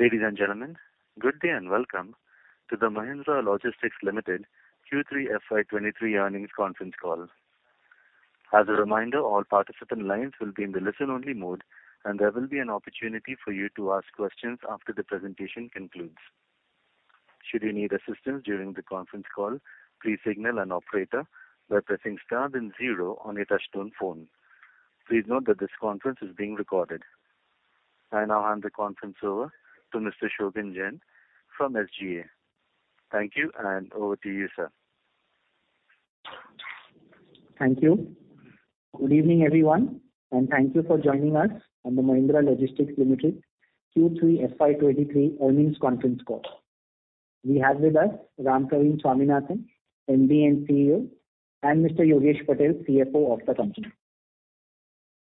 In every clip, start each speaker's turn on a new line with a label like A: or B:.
A: Ladies and gentlemen, good day and welcome to the Mahindra Logistics Limited Q3 FY 2023 earnings conference call. As a reminder, all participant lines will be in the listen-only mode, and there will be an opportunity for you to ask questions after the presentation concludes. Should you need assistance during the conference call, please signal an operator by pressing star then zero on your touchtone phone. Please note that this conference is being recorded. I now hand the conference over to Mr. Shagun Jain from Societe Generale. Thank you, and over to you, sir.
B: Thank you. Good evening, everyone, and thank you for joining us on the Mahindra Logistics Limited Q3 FY2023 Earnings Conference Call. We have with us Rampraveen Swaminathan, MD and CEO, and Mr. Yogesh Patel, CFO of the company.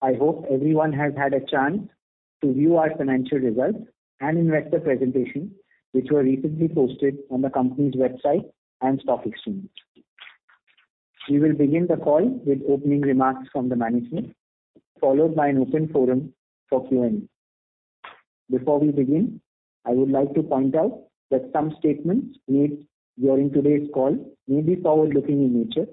B: I hope everyone has had a chance to view our financial results and investor presentation, which were recently posted on the company's website and stock exchange. We will begin the call with opening remarks from the management, followed by an open forum for Q&A. Before we begin, I would like to point out that some statements made during today's call may be forward-looking in nature,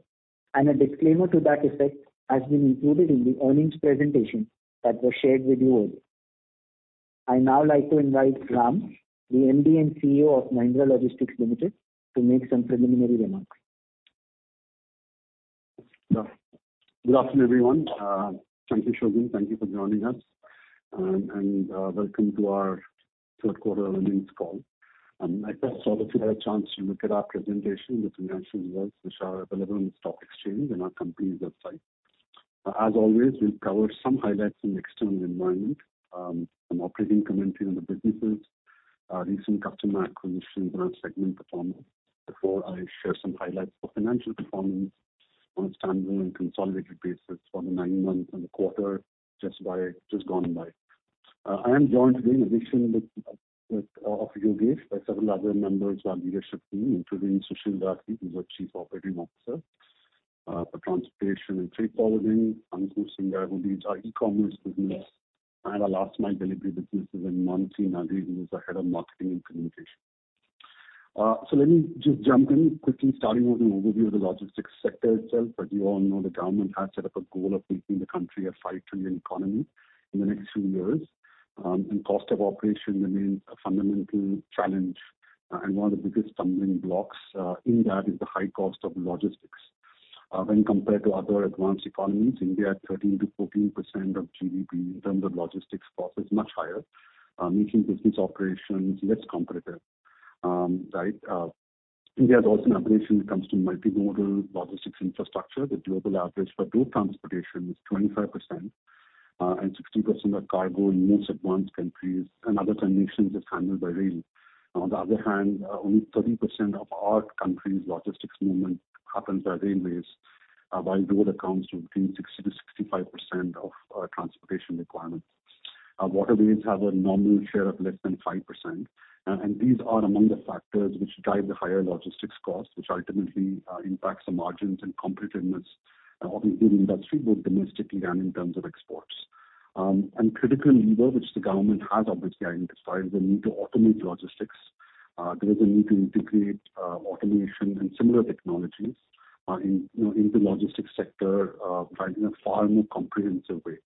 B: and a disclaimer to that effect has been included in the earnings presentation that was shared with you all. I'd now like to invite Ram, the MD and CEO of Mahindra Logistics Limited, to make some preliminary remarks.
C: Good afternoon, everyone. thank you, Shogun. Thank you for joining us and welcome to our third quarter earnings call. I first hope that you had a chance to look at our presentation, the financial results which are available on the stock exchange and our company's website. As always, we'll cover some highlights in the external environment, some operating commentary on the businesses, recent customer acquisitions and our segment performance before I share some highlights of financial performance on a standalone and consolidated basis for the nine months and the quarter just gone by. I am joined today in addition with Yogesh, by several other members of our leadership team, including Sushil Rathi, who's our Chief Operating Officer, for transportation and freight forwarding. Ankur Singhal, who leads our e-commerce business and our last mile delivery businesses, and Mansi Nagri, who is the head of marketing and communications. Let me just jump in quickly, starting with an overview of the logistics sector itself. As you all know, the government has set up a goal of making the country a $5 trillion economy in the next few years, and cost of operation remains a fundamental challenge, and one of the biggest stumbling blocks, in that is the high cost of logistics. When compared to other advanced economies, India at 13%-14% of GDP in terms of logistics cost is much higher, making business operations less competitive. India is also an aberration when it comes to multimodal logistics infrastructure. The global average for road transportation is 25%, and 60% of cargo in most advanced countries and other nations is handled by rail. On the other hand, only 30% of our country's logistics movement happens by railways, while road accounts for between 60%-65% of our transportation requirements. Our waterways have a nominal share of less than 5%, and these are among the factors which drive the higher logistics costs, which ultimately impacts the margins and competitiveness of the Indian industry, both domestically and in terms of exports. Critical enabler which the government has obviously identified is the need to automate logistics. There is a need to integrate automation and similar technologies, in the logistics sector, right, in a far more comprehensive way.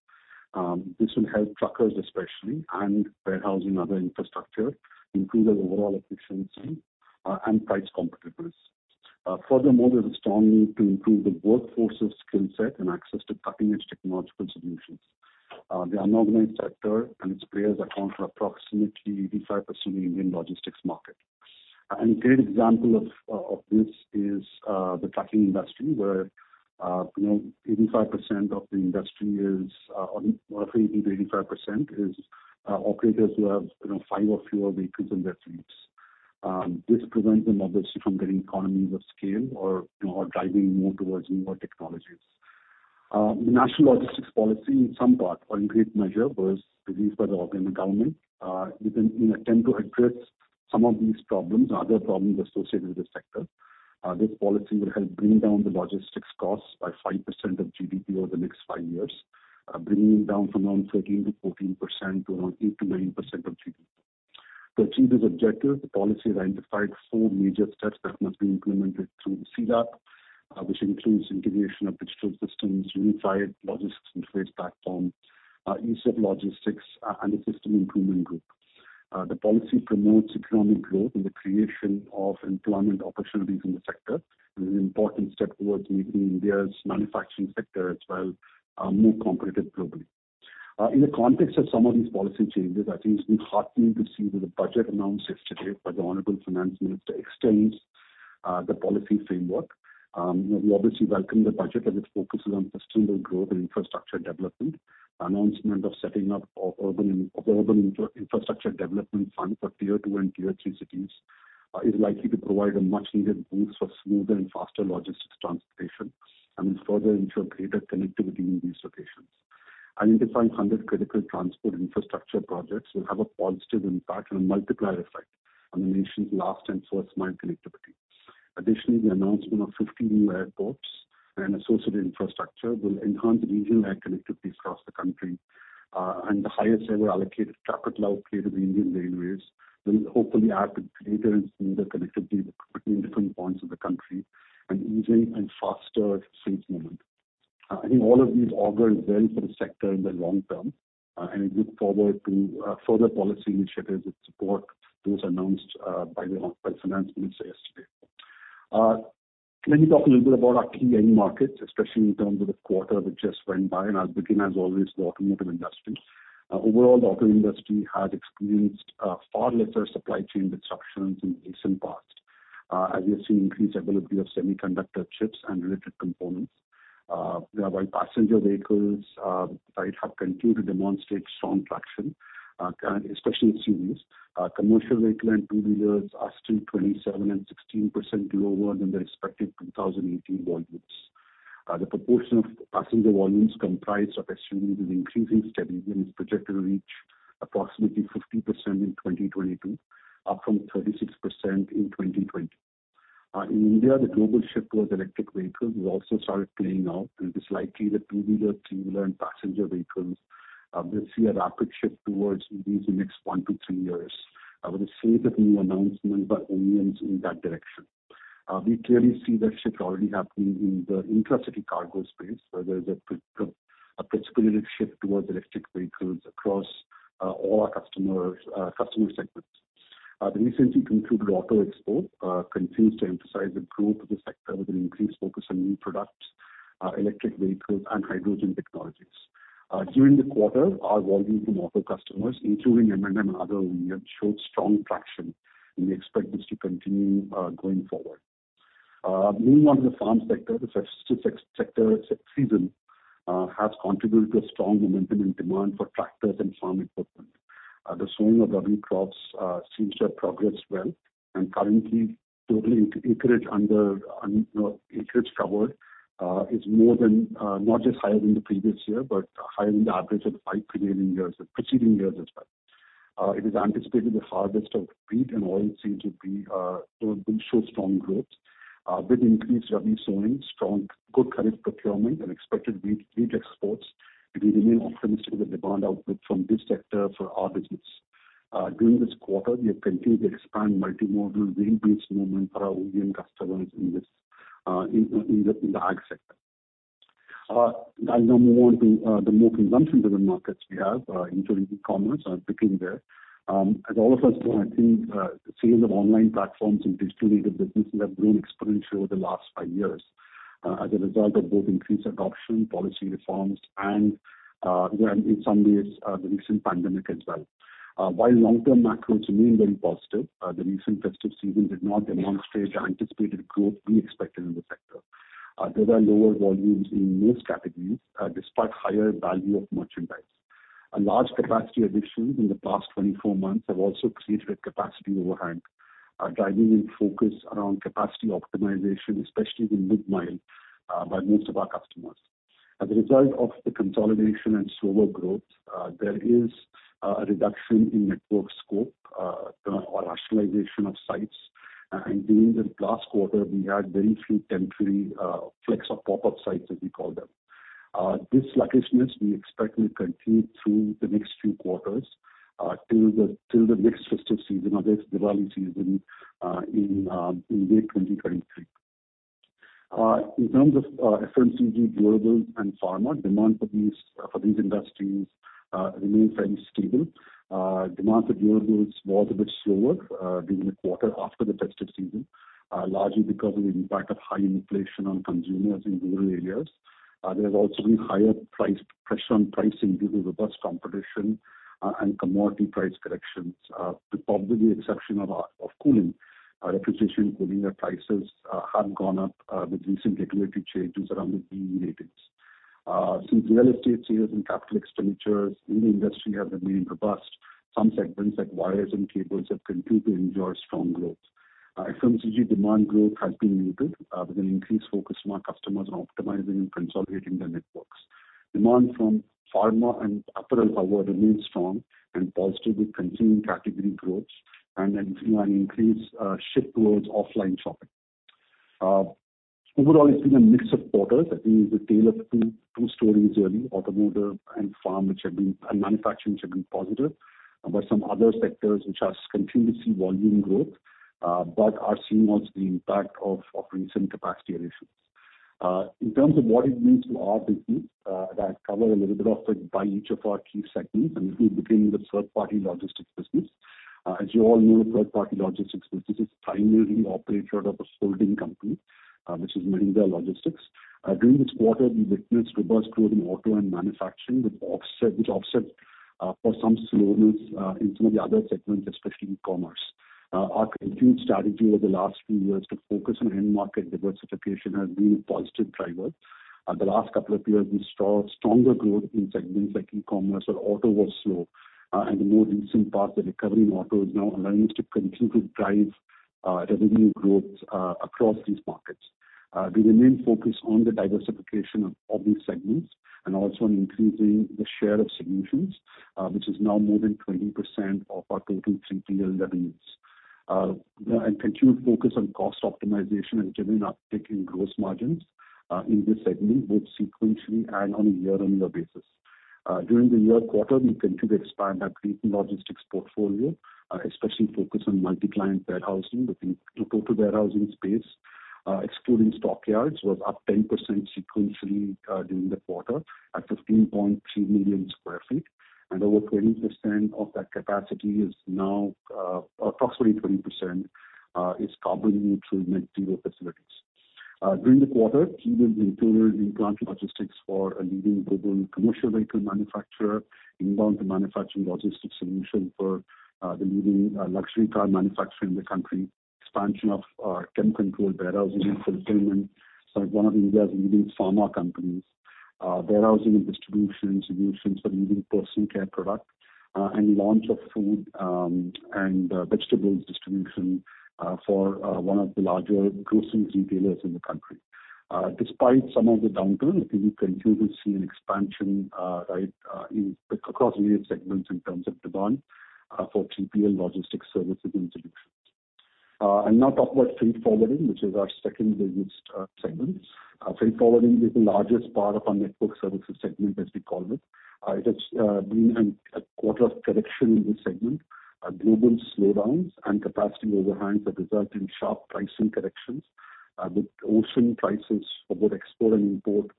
C: This will help truckers especially and warehousing other infrastructure improve their overall efficiency and price competitiveness. Furthermore, there's a strong need to improve the workforce's skill set and access to cutting-edge technological solutions. The unorganized sector and its players account for approximately 85% of the Indian logistics market. A great example of this is the trucking industry, where you know, 85% of the industry is or 80%-85% is operators who have, you know, five or fewer vehicles in their fleets. This prevents them obviously from getting economies of scale or, driving more towards newer technologies. The National Logistics Policy in some part or in great measure was released by the government, with an attempt to address some of these problems and other problems associated with this sector. This policy will help bring down the logistics costs by 5% of GDP over the next five years, bringing it down from around 13%-14% to around 8%-9% of GDP. To achieve this objective, the policy identified four major steps that must be implemented through the CLAP, which includes integration of digital systems, unified logistics and trades platform, ease of logistics, and a system improvement group. The policy promotes economic growth and the creation of employment opportunities in the sector and is an important step towards making India's manufacturing sector as well, more competitive globally. In the context of some of these policy changes, I think it's been heartening to see that the budget announced yesterday by the Honorable Finance Minister extends the policy framework. You know, we obviously welcome the budget as it focuses on sustainable growth and infrastructure development. Announcement of setting up of urban infrastructure development fund for Tier 2 and Tier 3 cities is likely to provide a much needed boost for smoother and faster logistics transportation and will further ensure greater connectivity in these locations. Identifying 100 critical transport infrastructure projects will have a positive impact and a multiplier effect. Last and first-mile connectivity. The announcement of 50 new airports and associated infrastructure will enhance regional air connectivity across the country. The highest ever allocated capital outlay to the Indian Railways will hopefully add to greater and better connectivity between different points of the country, and easier and faster freight movement. I think all of these augur well for the sector in the long term, and we look forward to further policy initiatives that support those announced by the Finance Minister yesterday. Let me talk a little bit about our key end markets, especially in terms of the quarter which just went by, and I'll begin, as always, with the automotive industry. Overall, the auto industry has experienced far lesser supply chain disruptions in recent past, as we have seen increased availability of semiconductor chips and related components. Whereby passenger vehicles have continued to demonstrate strong traction, especially in SUVs. Commercial vehicle and two-wheelers are still 27% and 16% lower than the expected 2018 volumes. The proportion of passenger volumes comprised of SUVs is increasing steadily and is projected to reach approximately 50% in 2022, up from 36% in 2020. In India, the global shift towards electric vehicles has also started playing out, and it is likely that two-wheelers, three-wheelers, and passenger vehicles will see a rapid shift towards EVs in next one to three years. I would say that no announcement by OEMs in that direction. We clearly see that shift already happening in the intra-city cargo space, where there is a precipitous shift towards electric vehicles across all our customers, customer segments. The recently concluded Auto Expo continues to emphasize the growth of the sector with an increased focus on new products, electric vehicles and hydrogen technologies. During the quarter, our volumes from auto customers, including M&M and other OEMs, showed strong traction, and we expect this to continue going forward. Moving on to the farm sector. The sector's season has contributed to a strong momentum in demand for tractors and farm equipment. The sowing of Rabi crops seems to have progressed well. Currently, total acreage under, acreage covered is more than, not just higher than the previous year, but higher than the average of five preceding years as well. It is anticipated that harvest of wheat and oilseeds will show strong growth. With increased Rabi sowing, strong good current procurement and expected wheat exports, we remain optimistic of the demand outlook from this sector for our business. During this quarter, we have continued to expand multimodal rail-based movement for our OEM customers in this, in the agri sectors. I'll now move on to the more consumption-driven markets we have, including e-commerce. I'll begin there. As all of us know, I think, sales of online platforms and digital-native businesses have grown exponentially over the last five years, as a result of both increased adoption, policy reforms and, well, in some ways, the recent pandemic as well. While long-term macros remain very positive, the recent festive season did not demonstrate the anticipated growth we expected in the sector. There were lower volumes in most categories, despite higher value of merchandise. Large capacity additions in the past 24 months have also created a capacity overhang, driving a focus around capacity optimization, especially in mid-mile, by most of our customers. As a result of the consolidation and slower growth, there is a reduction in network scope, or rationalization of sites. During the last quarter, we had very few temporary, flex or pop-up sites, as we call them. This sluggishness, we expect will continue through the next few quarters, till the next festive season or this Diwali season, in late 2023. In terms of FMCG, durables and pharma, demand for these industries remain fairly stable. Demand for durables was a bit slower during the quarter after the festive season, largely because of the impact of high inflation on consumers in rural areas. There has also been higher pressure on pricing due to robust competition, and commodity price corrections, with probably the exception of cooling. Refrigeration cooling prices have gone up with recent regulatory changes around the BEE ratings. Since real estate sales and capital expenditures in the industry have remained robust, some segments like wires and cables have continued to enjoy strong growth. FMCG demand growth has been muted, with an increased focus from our customers on optimizing and consolidating their networks. Demand from pharma and apparel however remains strong and positive with continuing category growth and an increased shift towards offline shopping. Overall it's been a mix of quarters. I think the tale of two stories really. Automotive and farm. Manufacturing, which have been positive. Some other sectors which has continued to see volume growth, but are seeing also the impact of recent capacity additions. In terms of what it means to our business, I'll cover a little bit of it by each of our key segments, and we'll begin with the third-party logistics business. As you all know, third-party logistics business is primarily operated out of a holding company, which is Mahindra Logistics. During this quarter, we witnessed robust growth in auto and manufacturing, which offset for some slowness in some of the other segments, especially e-commerce. Our continued strategy over the last few years to focus on end market diversification has been a positive driver. The last couple of years we saw stronger growth in segments like e-commerce, where auto was slow. The more recent past, the recovery in auto is now allowing us to continue to drive revenue growth across these markets. We remain focused on the diversification of these segments and also on increasing the share of solutions, which is now more than 20% of our total TPL revenues. Continued focus on cost optimization and generally uptake in gross margins in this segment, both sequentially and on a year-on-year basis. During the year quarter, we continued to expand our fleet logistics portfolio, especially focused on multi-client warehousing. The total warehousing space, excluding stockyards, was up 10% sequentially during the quarter at 15.3 million sq ft. Over 20% of that capacity is now approximately 20% is carbon-neutral, net-zero facilities. During the quarter, key wins included inbound logistics for a leading global commercial vehicle manufacturer, inbound-to -manufacturing logistics solution for the leading luxury car manufacturer in the country, expansion of our temperature-controlled warehousing and fulfillment for one of India's leading pharma companies, warehousing and distribution solutions for leading personal care product, and launch of food, and vegetables distribution for one of the larger grocery retailers in the country. Despite some of the downturn, we continue to see an expansion, right, across various segments in terms of demand, for 3PL logistics services and solutions. I'll now talk about freight forwarding, which is our second-largest segment. Freight forwarding is the largest part of our network services segment, as we call it. It has been a quarter of correction in this segment. Global slowdowns and capacity overhangs have resulted in sharp pricing corrections, with ocean prices for both export and import,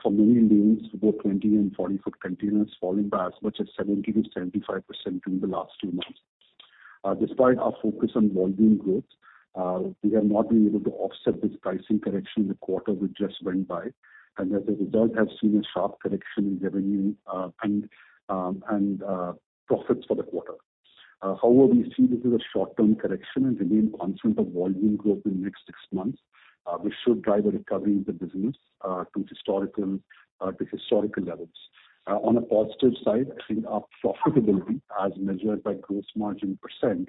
C: for many lanes for both 20-and 40-foot containers falling by as much as 70%-75% in the last two months. Despite our focus on volume growth, we have not been able to offset this pricing correction in the quarter which just went by, and as a result have seen a sharp correction in revenue, and profits for the quarter. However, we see this as a short-term correction and remain confident of volume growth in the next six months, which should drive a recovery in the business to historical levels. On a positive side, I think our profitability as measured by gross margin %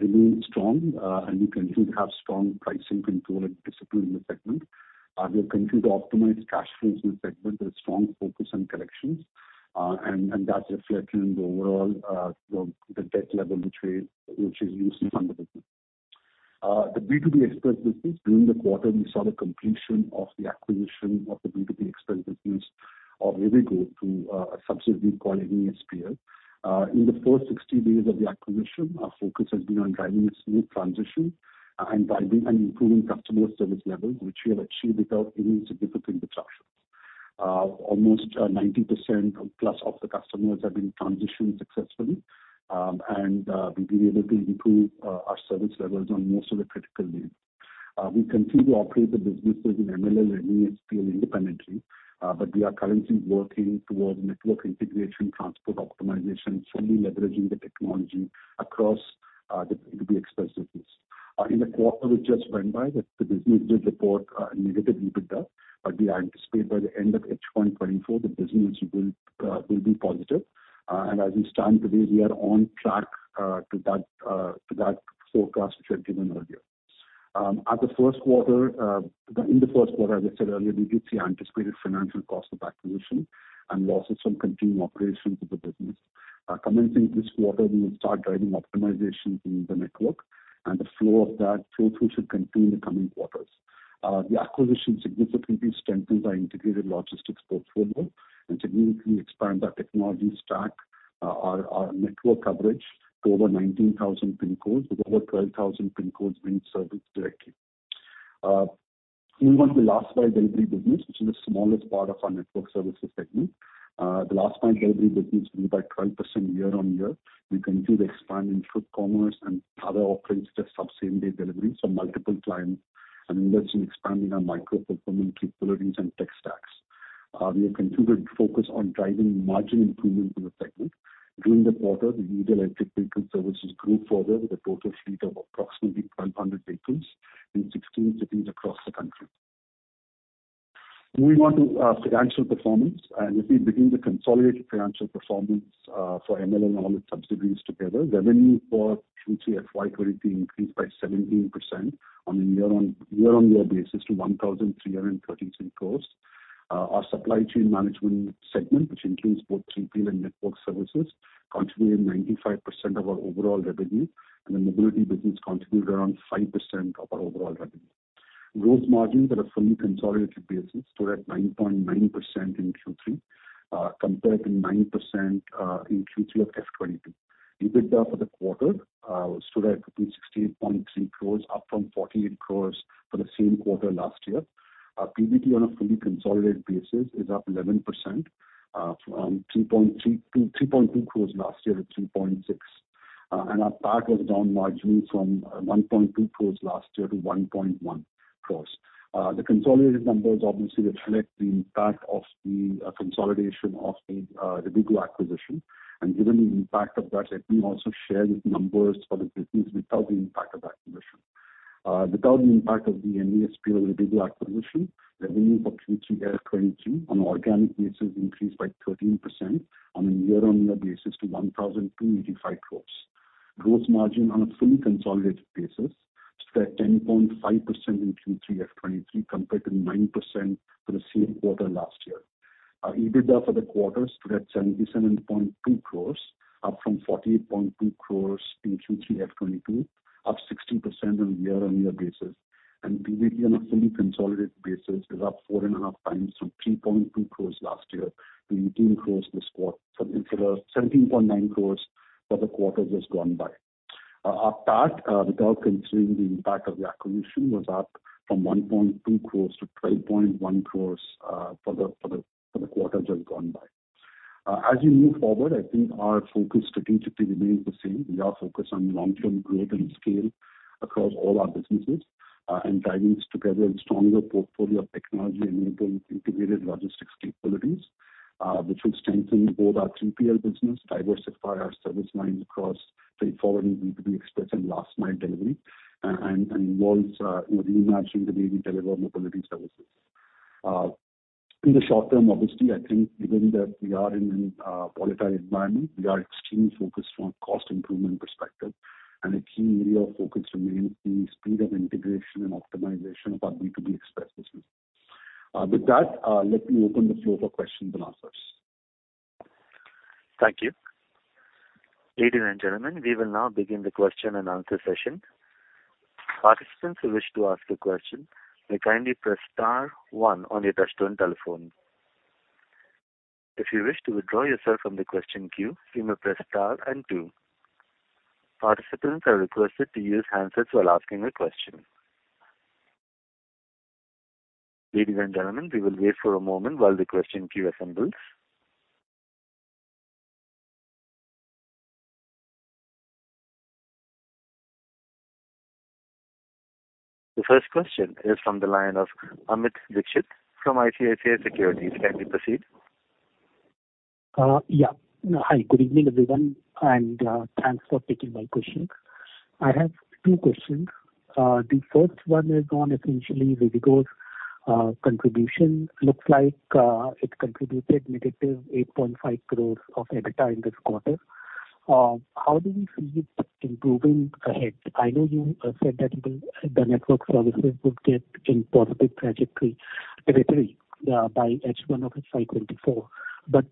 C: remains strong, and we continue to have strong pricing control and discipline in the segment. We continue to optimize cash flows in the segment with a strong focus on collections, and that's reflected in the overall, the debt level which is used to fund the business. The B2B Express business. During the quarter, we saw the completion of the acquisition of the B2B Express business of Rivigo through a subsidiary called Rivigo SPL. In the first 60 days of the acquisition, our focus has been on driving a smooth transition, and driving and improving customer service levels, which we have achieved without any significant disruptions. Almost 90% plus of the customers have been transitioned successfully, and we've been able to improve our service levels on most of the critical lanes. We continue to operate the businesses in MLL and Rivigo SPL independently, we are currently working towards network integration, transport optimization, and fully leveraging the technology across the B2B Express business. In the quarter which just went by, the business did report a negative EBITDA, we anticipate by the end of FY2024 the business will be positive. As we stand today, we are on track to that forecast which I've given earlier. In the first quarter, as I said earlier, we did see anticipated financial cost of acquisition and losses from continuing operations of the business. Commencing this quarter, we will start driving optimization in the network and the flow of that through should continue in the coming quarters. The acquisition significantly strengthens our integrated logistics portfolio and significantly expand our technology stack, our network coverage to over 19,000 pincodes, with over 12,000 pincodes being serviced directly. Moving on to the last mile delivery business, which is the smallest part of our network services segment. The last mile delivery business grew by 12% year-on-year. We continue to expand in food commerce and other offerings such as same-day delivery for multiple clients and invest in expanding our micro-fulfillment capabilities and tech stacks. We have continued focus on driving margin improvement in the segment. During the quarter, the e-electric vehicle services grew further with a total fleet of approximately 1,200 vehicles in 16 cities across the country. Moving on to financial performance. If we begin the consolidated financial performance for MLL and all its subsidiaries together, revenue for Q3 FY2023 increased by 17% on a year-on-year basis to 1,313 crore. Our supply chain management segment, which includes both TPL and network services, contributed 95% of our overall revenue. The mobility business contributed around 5% of our overall revenue. Gross margins on a fully consolidated basis stood at 9.9% in Q3 compared to 9% in Q3 of FY2022. EBITDA for the quarter stood at 16.3 crore, up from 48 crore for the same quarter last year. Our PBT on a fully consolidated basis is up 11% from 3.2 crore last year to 3.6 crore. Our PAT was down marginally from 1.2 crore last year to 1.1 crore. The consolidated numbers obviously reflect the impact of the consolidation of the Rivigo acquisition. Given the impact of that, let me also share the numbers for the business without the impact of acquisition. Without the impact of the Rivigo acquisition, the revenue for Q3 FY2022 on an organic basis increased by 13% on a year-on-year basis to 1,285 crore. Gross margin on a fully consolidated basis stood at 10.5% in Q3F23 compared to 9% for the same quarter last year. Our EBITDA for the quarter stood at 77.2 crore, up from 48.2 crore in Q3F22, up 60% on a year-on-year basis. PBT on a fully consolidated basis is up 4.5 times from 3.2 crore last year to 17.9 crore for the quarter just gone by. Our PAT, without considering the impact of the acquisition, was up from 1.2 crore to 12.1 crore for the quarter just gone by. As we move forward, I think our focus strategically remains the same. We are focused on long-term growth and scale across all our businesses, and driving together a stronger portfolio of technology-enabled integrated logistics capabilities, which will strengthen both our TPL business, diversify our service lines across freight forwarding, B2B Express, and last mile delivery, and involves, you know, reimagining the way we deliver mobility services. In the short term, obviously, I think given that we are in volatile environment, we are extremely focused from a cost improvement perspective, and a key area of focus remains the speed of integration and optimization of our B2B Express business. With that, let me open the floor for questions and answers.
A: Thank you. Ladies and gentlemen, we will now begin the question-and-answer session. Participants who wish to ask a question may kindly press star one on your touchtone telephone. If you wish to withdraw yourself from the question queue, you may press star and two. Participants are requested to use handsets while asking a question. Ladies and gentlemen, we will wait for a moment while the question queue assembles. The first question is from the line of Amit Dixit from ICICI Securities. Can we proceed?
D: Yeah. Hi. Good evening, everyone, and thanks for taking my question. I have two questions. The first one is on essentially Rivigo's contribution. Looks like it contributed negative 8.5 crore of EBITDA in this quarter. How do we see it improving ahead? I know you said that the network services would get in positive territory by H1 of FY2024.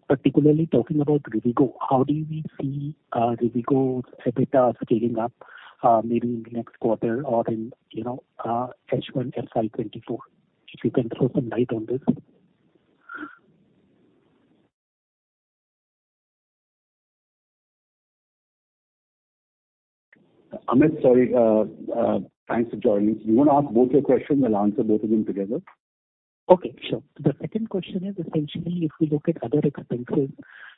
D: Particularly talking about Rivigo, how do we see Rivigo's EBITDA scaling up maybe in the next quarter or in, you know, H1 FY2024? If you can throw some light on this.
C: Amit, sorry, thanks for joining. Do you wanna ask both your questions and I'll answer both of them together?
D: Okay. Sure. The second question is essentially if we look at other expenses,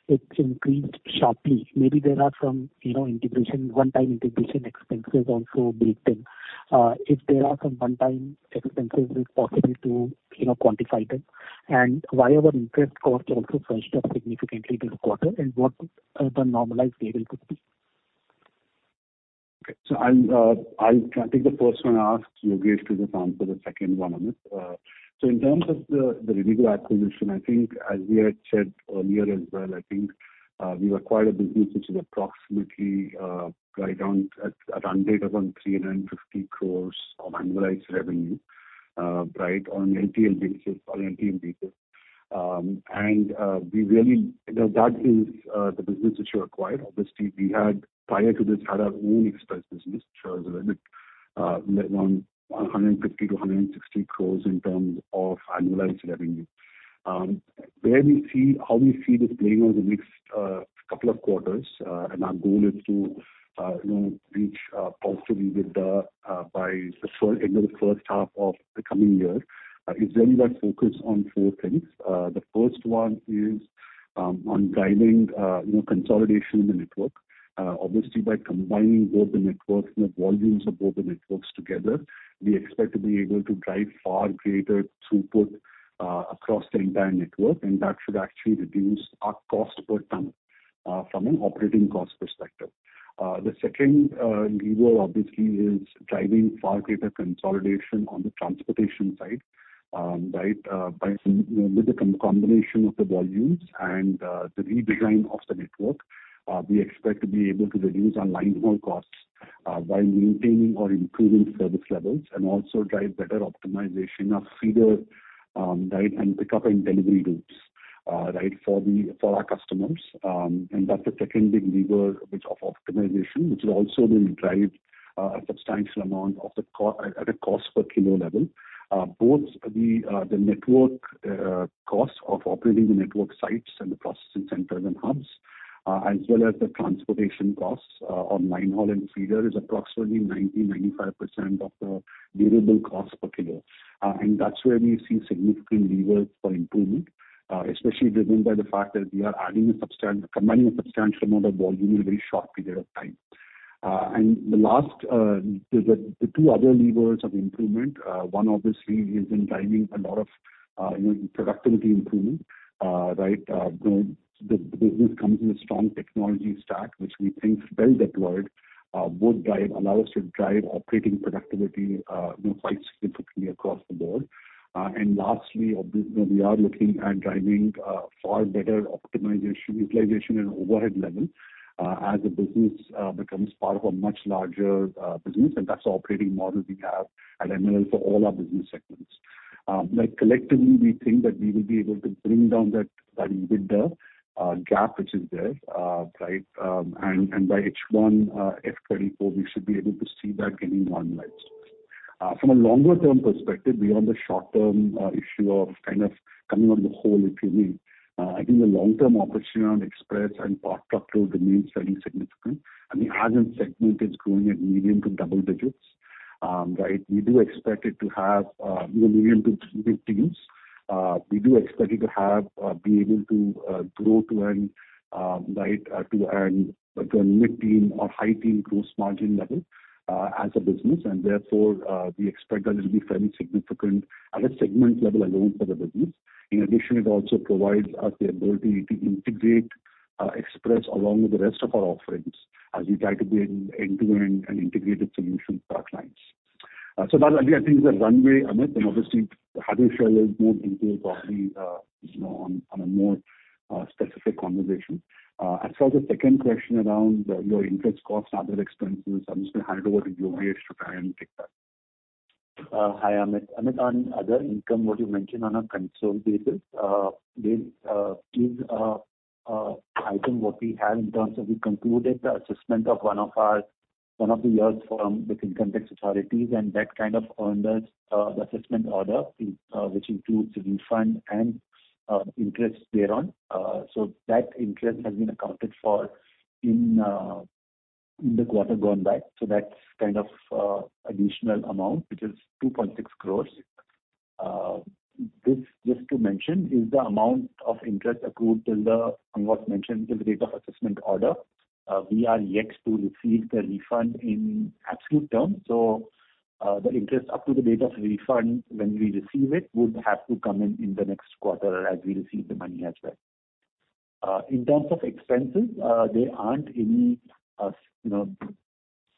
D: it's increased sharply. Maybe there are some, you know, integration, one-time integration expenses also built in. If there are some one-time expenses, is it possible to, you know, quantify them? Why our interest cost also surged up significantly this quarter, and what the normalized level could be?
C: I'll take the first one asked, Yogesh, to just answer the second one, Amit. In terms of the Rivigo acquisition, I think as we had said earlier as well, I think we've acquired a business which is approximately right around at run rate of around 350 crore of annualized revenue, right, on NTL basis. And we really. That is the business which we acquired. Obviously, we had prior to this had our own express business, which was around 150-160 crore in terms of annualized revenue. How we see this playing over the next couple of quarters, our goal is to, you know, reach positive EBITDA by the end of the first half of the coming year, is really that focus on four things. The first one is, on driving, you know, consolidation in the network. Obviously, by combining both the networks, you know, volumes of both the networks together, we expect to be able to drive far greater throughput across the entire network, and that should actually reduce our cost per ton from an operating cost perspective. The second lever obviously is driving far greater consolidation on the transportation side, right, with the combination of the volumes and the redesign of the network, we expect to be able to reduce our line haul costs while maintaining or improving service levels and also drive better optimization of feeder, right, and pickup and delivery routes, right, for our customers. That's the second big lever which of optimization, which is also will drive a substantial amount of the cost per kilo level. Both the network costs of operating the network sites and the processing centers and hubs, as well as the transportation costs on line haul and feeder is approximately 90-95% of the variable cost per kilo. That's where we see significant levers for improvement, especially driven by the fact that we are combining a substantial amount of volume in a very short period of time. The last, the two other levers of improvement, one obviously has been driving a lot of, you know, productivity improvement, right. The business comes with a strong technology stack, which we think is well deployed, would allow us to drive operating productivity, you know, quite significantly across the board. Lastly, you know, we are looking at driving far better optimization, utilization and overhead level, as the business becomes part of a much larger business, and that's the operating model we have at MLL for all our business segments. Like, collectively, we think that we will be able to bring down that EBITDA gap which is there, right, and by H1 FY24, we should be able to see that getting normalized. From a longer-term perspective, beyond the short-term issue of kind of coming on the whole, if you will, I think the long-term opportunity around Express and Power Structural remains fairly significant. I mean, as a segment, it's growing at medium to double digits, right. We do expect it to have, you know, medium to mid-teens. We do expect it to have, be able to, grow to an mid-teen or high-teen gross margin level as a business and therefore, we expect that it'll be fairly significant at a segment level alone for the business. In addition, it also provides us the ability to integrate Express along with the rest of our offerings as we try to build end-to-end and integrated solutions for our clients. That again, I think is a runway, Amit, and obviously, Hadi will share a little more detail probably, you know, on a more specific conversation. For the second question around your interest costs and other expenses, I'm just gonna hand over to Yogi to try and take that. Hi, Amit. Amit, on other income what you mentioned on a console basis, this is item what we have in terms of we concluded the assessment of one of the years from the income tax authorities, and that kind of earned us the assessment order, which includes a refund and interest thereon.
E: That interest has been accounted for in the quarter gone by. That's kind of additional amount, which is 2.6 crore. This, just to mention, is the amount of interest accrued till the amount mentioned till the date of assessment order. We are yet to receive the refund in absolute terms. The interest up to the date of refund when we receive it would have to come in in the next quarter as we receive the money as well. In terms of expenses, there aren't any, you know,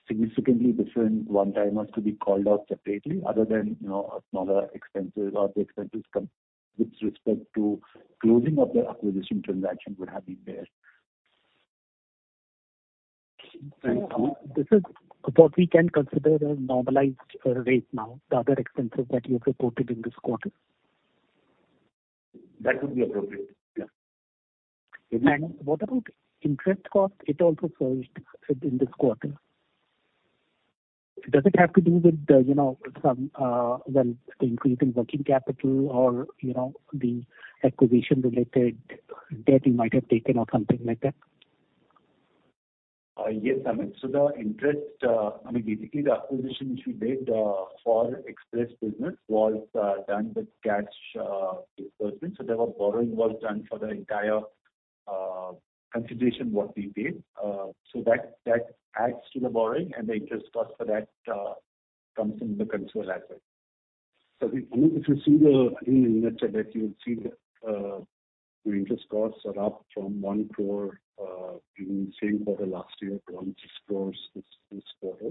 E: significantly different one-timers to be called out separately other than, you know, smaller expenses or the expenses come with respect to closing of the acquisition transaction would have been there.
D: This is what we can consider a normalized rate now, the other expenses that you have reported in this quarter?
E: That would be appropriate, yeah.
D: What about interest cost? It also surged in this quarter. Does it have to do with, you know, some, well, the increase in working capital or, you know, the acquisition-related debt you might have taken or something like that?
C: Yes, Amit. The interest, I mean, basically the acquisition which we made for Express business was done with cash disbursement. There was borrowing was done for the entire consideration what we paid. That adds to the borrowing and the interest cost for that comes in the console as well. If you see the, I think in the narrative that you'll see that your interest costs are up from 1 crore in the same quarter last year to 1.6 crore this quarter,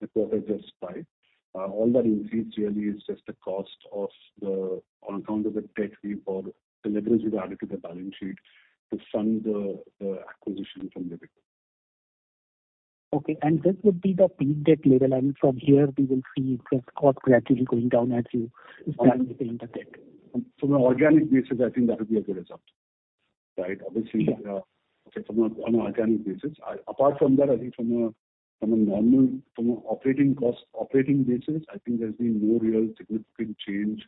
C: the quarter just by. All that increase really is just the cost of the on account of the debt we borrow, the leverage we've added to the balance sheet to fund the acquisition from Rivigo.
D: Okay. This would be the peak debt level, and from here we will see interest cost gradually going down as you start repaying the debt.
C: From an organic basis, I think that would be a good assumption. Right. Obviously, on organic basis. Apart from that, I think from a normal operating cost, operating basis, I think there's been no real significant change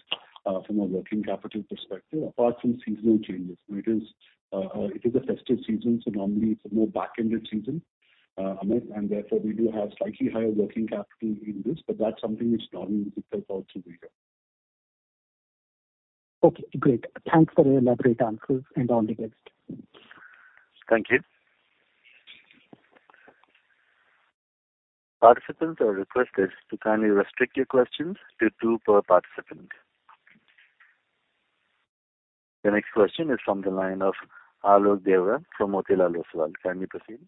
C: from a working capital perspective, apart from seasonal changes. You know, it is a festive season, so normally it's a more back-ended season, Amit. Therefore, we do have slightly higher working capital in this, but that's something which normally we could also be here.
D: Okay, great. Thanks for the elaborate answers, and all the best.
C: Thank you.
A: Participants are requested to kindly restrict your questions to two per participant. The next question is from the line of Alok Deora from Motilal Oswal. Kindly proceed.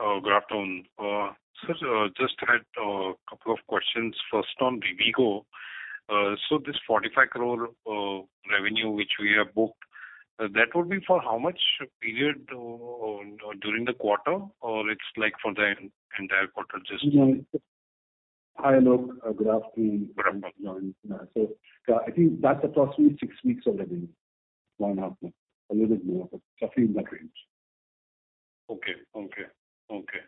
F: Good afternoon. Sir, just had a couple of questions. First on Rivigo. This 45 crore revenue which we have booked, that would be for how much period or during the quarter or it's like for the entire quarter?
C: Hi, Alok. Good afternoon.
F: Good afternoon.
C: I think that's approximately 6 weeks of revenue. One and a half month. A little bit more, but roughly in that range.
F: Okay. Okay. Okay.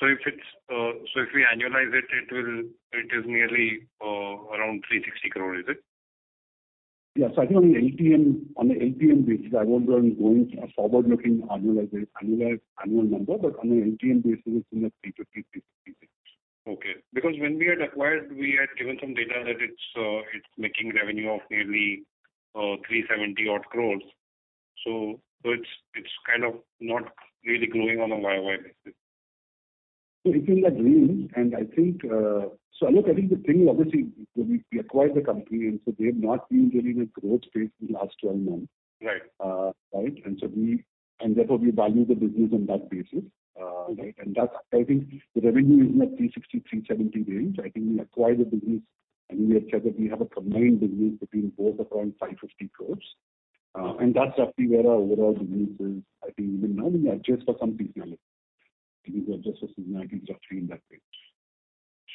F: If we annualize it is nearly around 360 crore, is it?
C: Yes. I think on a LTM basis, I won't go into a forward-looking annual number, but on an LTM basis, it's in the 350, 360.
F: Okay. Because when we had acquired, we had given some data that it's making revenue of nearly, 370 odd crore. So it's kind of not really growing on a YOY basis.
C: It is agreeing, and I think. Anil, I think the thing obviously, we acquired the company, they have not been really in a growth phase for the last 12 months.
F: Right.
C: Right. Therefore we value the business on that basis. Right. That's, I think the revenue is in the 360-370 range. I think we acquired the business and we have said that we have a combined business between both around 550 crore. That's roughly where our overall business is. I think even now when you adjust for some PNL, maybe if you adjust for seasonality it's roughly in that range.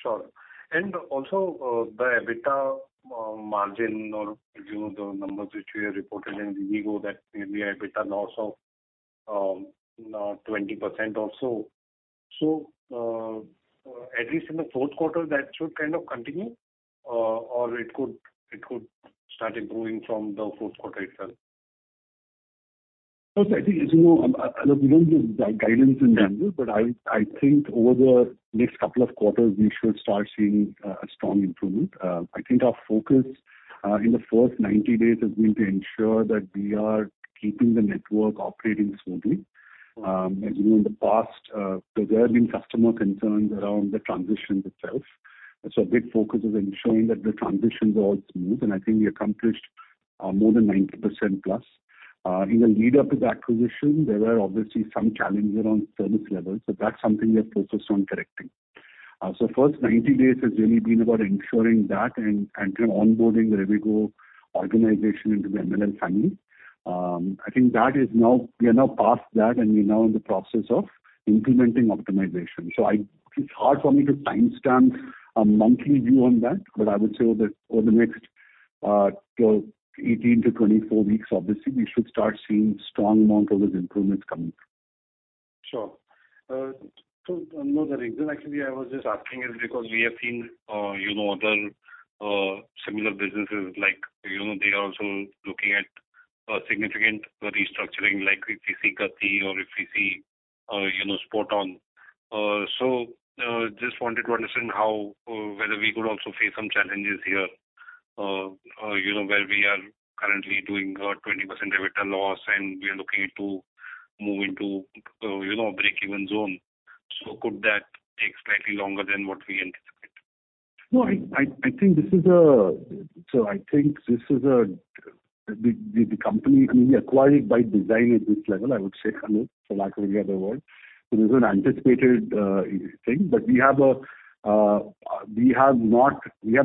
F: Sure. The EBITDA margin or, you know, the numbers which we have reported in Rivigo that maybe EBITDA loss of 20% or so. At least in the fourth quarter, that should kind of continue, or it could start improving from the fourth quarter itself.
C: I think as you know, look, we don't give guidance in general, but I think over the next couple of quarters we should start seeing a strong improvement. I think our focus in the first 90 days has been to ensure that we are keeping the network operating smoothly. As you know, in the past, there have been customer concerns around the transitions itself. A big focus is ensuring that the transitions are all smooth, and I think we accomplished more than 90% plus. In the lead up to the acquisition, there were obviously some challenges around service levels, that's something we have focused on correcting. First 90 days has really been about ensuring that and onboarding the Rivigo organization into the MLL family. I think that is now... We are now past that, and we're now in the process of implementing optimization. It's hard for me to timestamp a monthly view on that, but I would say over the next 12, 18 to 24 weeks, obviously we should start seeing strong amount of those improvements coming.
F: Sure. Another reason actually I was just asking is because we have seen, you know, other similar businesses like, you know, they are also looking at significant restructuring, like if we see Gati or if we see, you know, Spoton. Just wanted to understand how whether we could also face some challenges here, you know, where we are currently doing 20% EBITDA loss and we are looking to move into, you know, a break-even zone. Could that take slightly longer than what we anticipate?
C: I think this is a company, I mean, we acquired it by design at this level, I would say, Anil, for lack of a better word. This is an anticipated thing. We have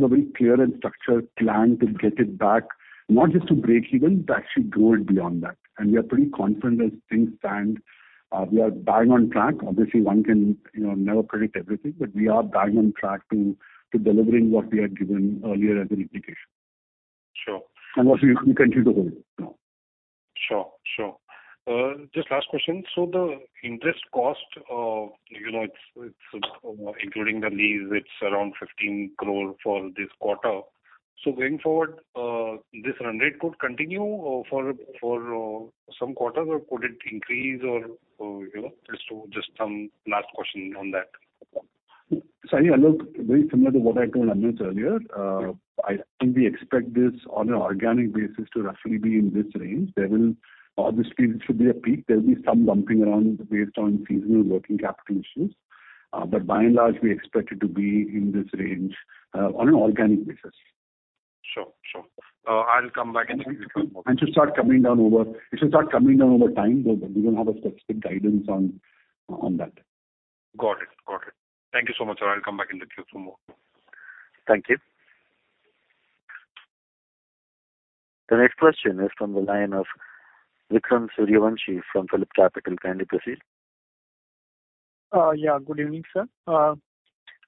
C: a very clear and structured plan to get it back, not just to breakeven, but to actually grow it beyond that. We are pretty confident as things stand, we are bang on track. Obviously, one can, you know, never predict everything, we are bang on track to delivering what we had given earlier as an indication.
F: Sure.
C: Also you can choose to hold it now.
F: Sure. Sure. Just last question. The interest cost, you know, it's including the lease, it's around 15 crore for this quarter. Going forward, this run rate could continue for some quarters, or could it increase or, you know, just some last question on that.
C: I mean, Anil, very similar to what I told Anuj earlier. I think we expect this on an organic basis to roughly be in this range. Obviously, this will be a peak. There'll be some bumping around based on seasonal working capital issues. By and large, we expect it to be in this range, on an organic basis.
F: Sure. Sure. I'll come back in the queue for more.
C: It should start coming down over time, but we don't have a specific guidance on that.
F: Got it. Got it. Thank you so much, sir. I'll come back in the queue for more.
C: Thank you.
A: The next question is from the line of Vikram Suryavanshi from PhillipCapital. Kindly proceed.
G: Yeah, good evening, sir.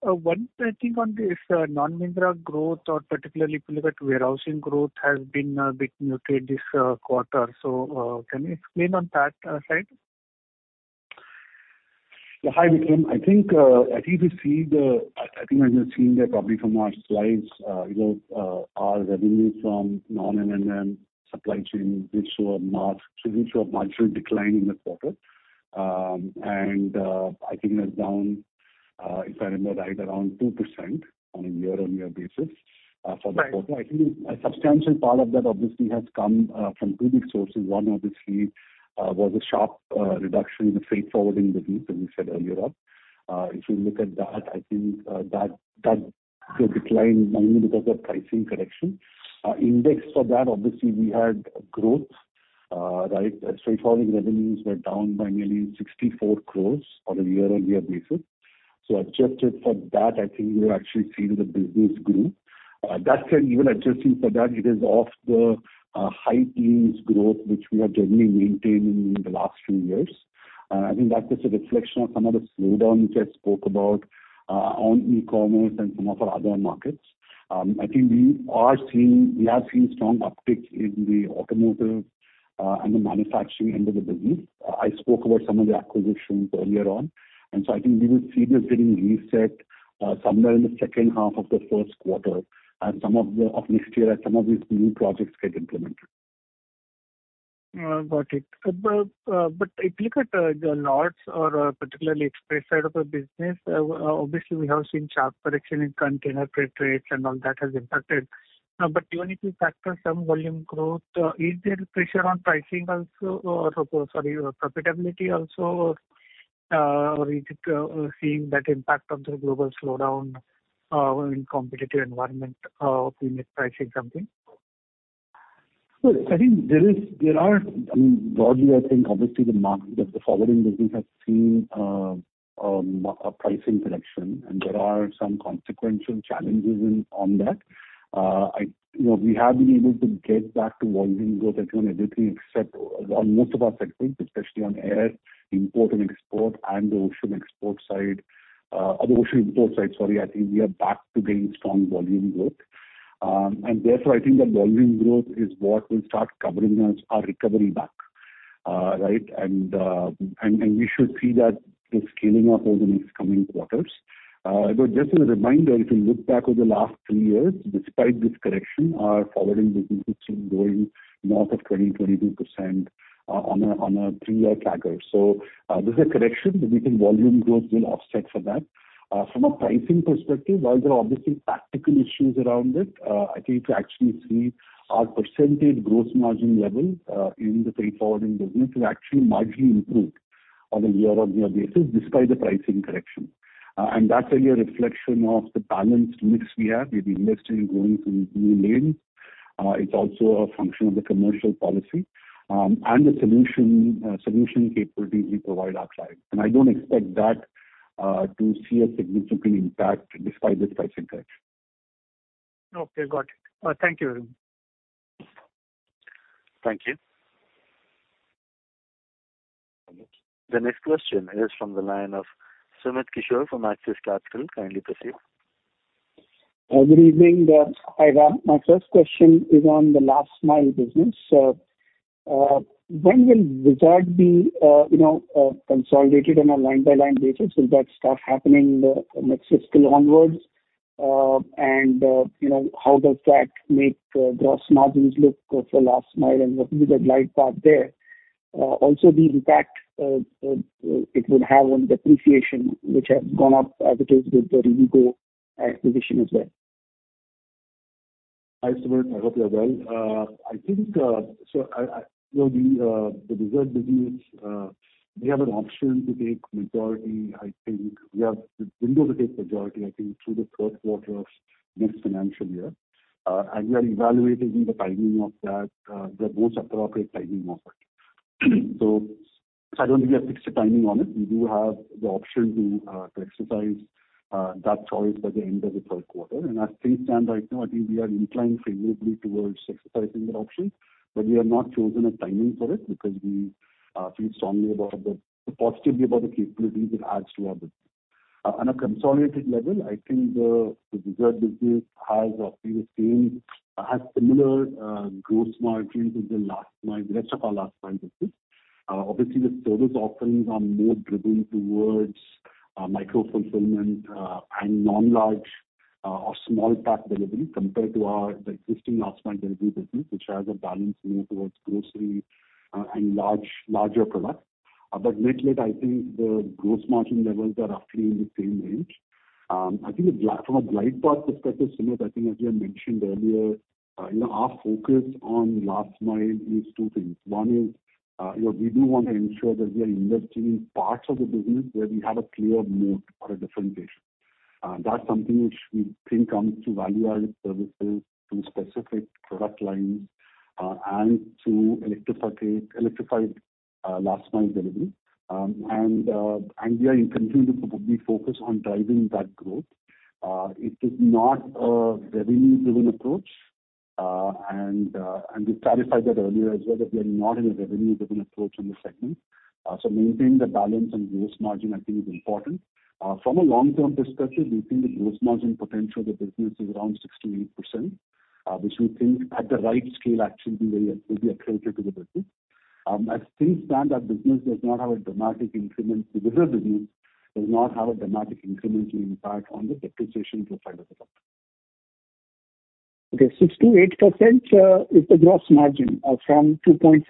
G: One thing I think on this non-Mahindra growth or particularly Fullert warehousing growth has been a bit muted this quarter. Can you explain on that side?
C: Yeah. Hi, Vikram. I think as you're seeing there probably from our slides, you know, our revenue from non-M&M supply chain did show a marginal decline in the quarter. I think that's down, if I remember right, around 2% on a year-on-year basis for the quarter.
G: Right.
C: I think a substantial part of that obviously has come from two big sources. One obviously was a sharp reduction in the freight forwarding business, as we said earlier on. If you look at that, I think that decline mainly because of pricing correction. Indexed for that obviously we had growth, right? Freight forwarding revenues were down by nearly 64 crore on a year-on-year basis. Adjusted for that, I think you're actually seeing the business grow. That said, even adjusting for that it is off the high teens growth which we have generally maintained in the last few years. I think that is a reflection of some of the slowdown which I spoke about on e-commerce and some of our other markets. I think we are seeing, we have seen strong uptick in the automotive, and the manufacturing end of the business. I spoke about some of the acquisitions earlier on. I think we will see this getting reset, somewhere in the second half of the first quarter and of next year as some of these new projects get implemented.
H: Got it. If you look at the lots or, particularly express side of the business, obviously we have seen sharp correction in container freight rates and all that has impacted. Even if you factor some volume growth, is there pressure on pricing also or sorry, profitability also? Is it seeing that impact of the global slowdown, in competitive environment, you may price something?
C: Well, I think there are. I mean, broadly, I think obviously the market of the forwarding business has seen a pricing correction, and there are some consequential challenges in on that. You know, we have been able to get back to volume growth, I think, on everything except on most of our sectors, especially on air, import and export, and the ocean export side, on the ocean import side, sorry, I think we are back to gaining strong volume growth. Therefore, I think the volume growth is what will start covering us our recovery back. Right. We should see that scaling up over the next coming quarters. Just as a reminder, if you look back over the last 3 years, despite this correction, our forwarding business is still growing north of 20%-22% on a 3-year tracker. This is a correction that we think volume growth will offset for that. From a pricing perspective, while there are obviously tactical issues around it, I think you actually see our percentage gross margin level in the freight forwarding business will actually marginally improve on a year-on-year basis despite the pricing correction. That's only a reflection of the balanced mix we have. We've invested in growing some new lanes. It's also a function of the commercial policy and the solution capabilities we provide our clients. I don't expect that to see a significant impact despite this pricing correction.
H: Okay. Got it. Thank you, Arun.
C: Thank you.
A: The next question is from the line of Sumit Kishore from AXIS Capital. Kindly proceed.
I: Good evening. Hi, Ram. My first question is on the last mile business. When will Rivigo be, you know, consolidated on a line-by-line basis? Will that start happening next fiscal onwards? You know, how does that make gross margins look for last mile and what is the glide path there? Also the impact it will have on depreciation, which has gone up as it is with the Rivigo acquisition as well.
C: Hi, Sumit. I hope you're well. You know, the Express business, we have an option to take majority, I think. We have the window to take majority, I think through the 3rd quarter of next financial year. We are evaluating the timing of that, the most appropriate timing of it. I don't think we have fixed a timing on it. We do have the option to exercise that choice by the end of the 3rd quarter. As things stand right now, I think we are inclined favorably towards exercising that option. We have not chosen a timing for it because we feel strongly positively about the capabilities it adds to our business. On a consolidated level, I think the Desert business has roughly the same, has similar gross margins as the last mile, the rest of our last mile business. Obviously the service offerings are more driven towards micro fulfillment and non-large or small pack delivery compared to our existing last mile delivery business which has a balance more towards grocery and larger products. Net-net, I think the gross margin levels are roughly in the same range. I think from a glide path perspective, Sumit, I think as we had mentioned earlier, you know, our focus on last mile is two things. One is, you know, we do want to ensure that we are investing in parts of the business where we have a clear moat or a differentiation. That's something which we think comes through value-added services, through specific product lines, and through electrified last mile delivery. We continue to probably focus on driving that growth. It is not a revenue-driven approach. We clarified that earlier as well that we are not in a revenue-driven approach in this segment. Maintaining the balance and gross margin I think is important. From a long-term perspective, we think the gross margin potential of the business is around 60%-80%, which we think at the right scale actually will be accretive to the business. As things stand, our business does not have a dramatic incremental impact. The Express business does not have a dramatic incremental impact on the depreciation profile of the company.
H: Okay. 60%-80% is the gross margin from 2.7%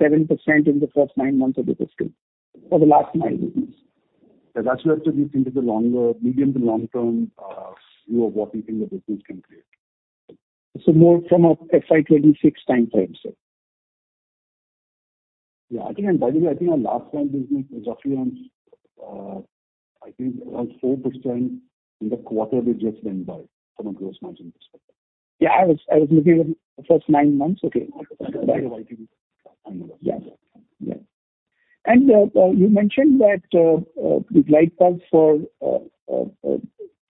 H: in the first 9 months of the fiscal for the last mile business.
C: That's where actually we think of the longer, medium to long term view of what we think the business can create.
I: More from a FY 2026 timeframe, sir.
C: Yeah. I think, and by the way, I think our last mile business is roughly around, I think around 4% in the quarter we just went by from a gross margin perspective.
H: Yeah, I was looking at the first 9 months. Okay.
C: annual.
I: Yeah. Yeah. You mentioned that, the glide path for the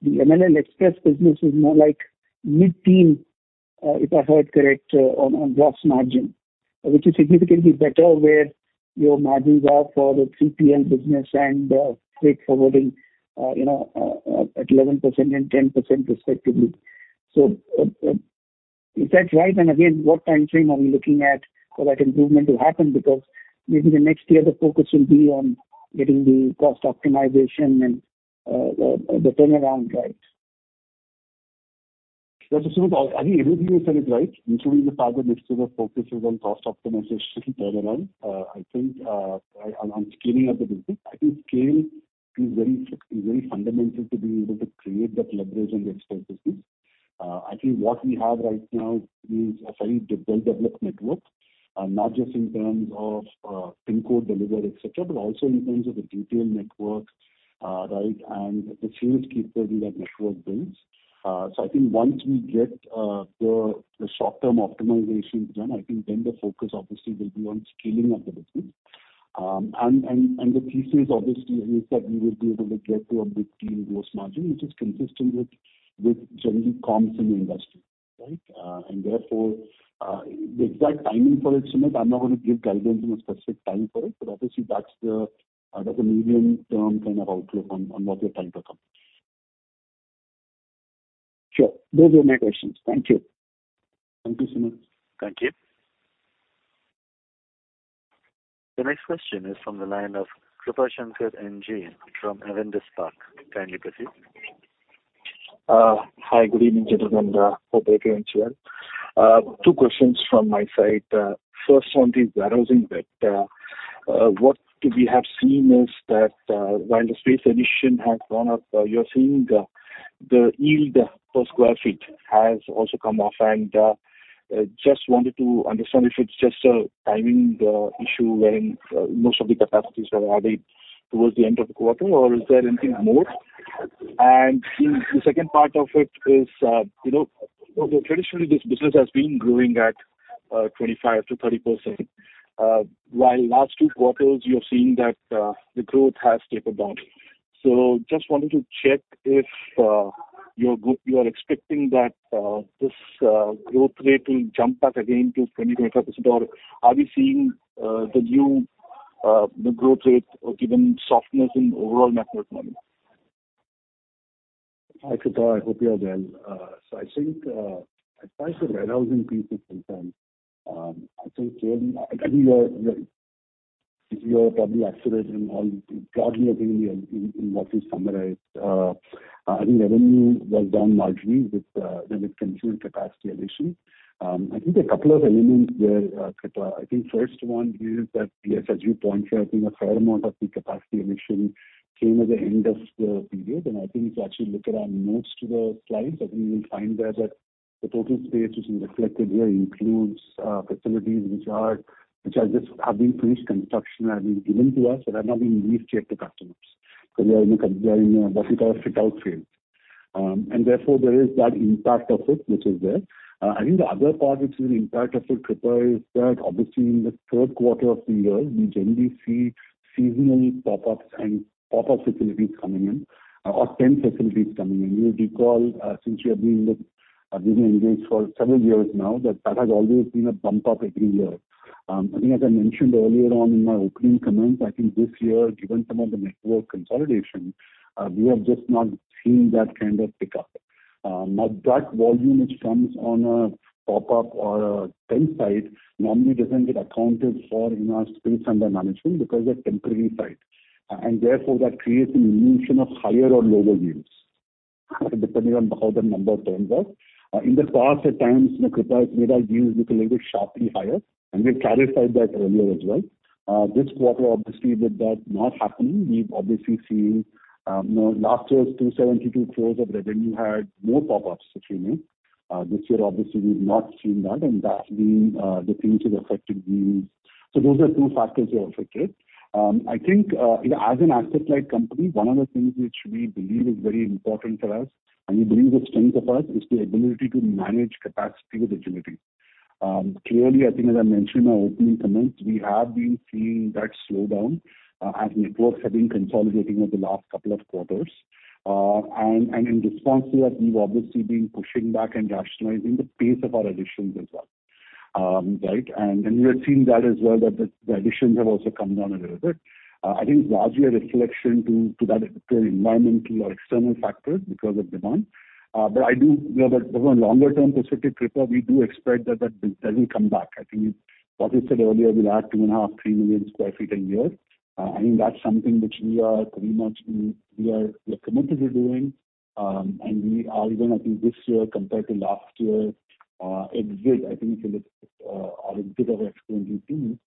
I: MLL Express business is more like mid-teen, if I heard correct, on gross margin, which is significantly better where your margins are for the 3PL business and freight forwarding, you know, at 11% and 10% respectively. Is that right? Again, what timeframe are we looking at for that improvement to happen? Maybe the next year the focus will be on getting the cost optimization and the turnaround right.
C: Yes, Sumit, I think everything you said is right, including the fact that mixture of focuses on cost optimization further on. I think on scaling up the business, I think scale is very fundamental to being able to create that leverage in the express business. I think what we have right now is a very well-developed network, not just in terms of pin code delivery, et cetera, but also in terms of the detail network, right, and the sales capability that network builds. I think once we get the short-term optimizations done, I think then the focus obviously will be on scaling up the business. The thesis obviously is that we will be able to get to a mid-teen gross margin, which is consistent with generally comps in the industry, right? Therefore, the exact timing for it, Sumit, I'm not gonna give guidance on a specific time for it. Obviously that's the medium-term kind of outlook on what we are trying to accomplish.
I: Sure. Those were my questions. Thank you.
C: Thank you, Sumit.
A: Thank you. The next question is from the line of Krupashankar NJ from Avendus Spark. Kindly proceed.
J: Hi. Good evening, gentlemen. Hope everyone's well. Two questions from my side. First one is warehousing, that, what we have seen is that, while the space addition has gone up, you're seeing the yield per square feet has also come off. Just wanted to understand if it's just a timing issue wherein most of the capacities were added towards the end of the quarter or is there anything more? In the second part of it is, you know, traditionally this business has been growing at 25%-30%, while last two quarters you have seen that, the growth has tapered down. Just wanted to check if you are expecting that this growth rate will jump back again to 20-25%, or are we seeing the new the growth rate or given softness in overall network now?
C: Hi, Kripa. I hope you are well. I think, as far as the warehousing piece is concerned, I think clearly, I think you're probably accurate in, broadly, I think in what you summarized. I think revenue was down largely with consumer capacity addition. I think a couple of elements there, Kripa. I think first one is that, yes, as you point out, I think a fair amount of the capacity addition came at the end of the period. I think if you actually look at our notes to the slides, I think you will find there that the total space which is reflected here includes facilities which are just have been finished construction, have been given to us, but have not been leased yet to customers because they are in a what you call a fit-out phase. Therefore, there is that impact of it which is there. I think the other part which is an impact of it, Kripa, is that obviously in the third quarter of the year, we generally see seasonal pop-ups and pop-up facilities coming in or tent facilities coming in. You'll recall, since you have been with Abhinav engage for several years now, that that has always been a bump up every year. I think as I mentioned earlier on in my opening comments, I think this year, given some of the network consolidation, we have just not seen that kind of pickup. Now that volume which comes on a pop-up or a tent site normally doesn't get accounted for in our space under management because they're temporary site. Therefore, that creates an illusion of higher or lower yields, depending on how the number turns out. In the past, at times, you know, Kripa, it made our yields look a little bit sharply higher, and we've clarified that earlier as well. This quarter, obviously, with that not happening, we've obviously seen, you know, last year's 272 crore of revenue had more pop-ups, if you may. This year, obviously, we've not seen that and that's been the thing which has affected yields. Those are two factors which affected. I think, you know, as an asset-light company, one of the things which we believe is very important for us, and we believe the strength of us, is the ability to manage capacity with agility. Clearly, I think as I mentioned in my opening comments, we have been seeing that slow down as networks have been consolidating over the last couple of quarters. In response to that, we've obviously been pushing back and rationalizing the pace of our additions as well. Right. We have seen that as well, that the additions have also come down a little bit. I think it's largely a reflection to that external environmental or external factor because of demand. We have a, you know, a longer term perspective, Kripa. We do expect that business doesn't come back. I think what we said earlier, we'll add 2.5, 3 million sq ft a year. I think that's something which we are pretty much committed to doing. We are even I think this year compared to last year, exit, I think if you look at a bit of our FY22, you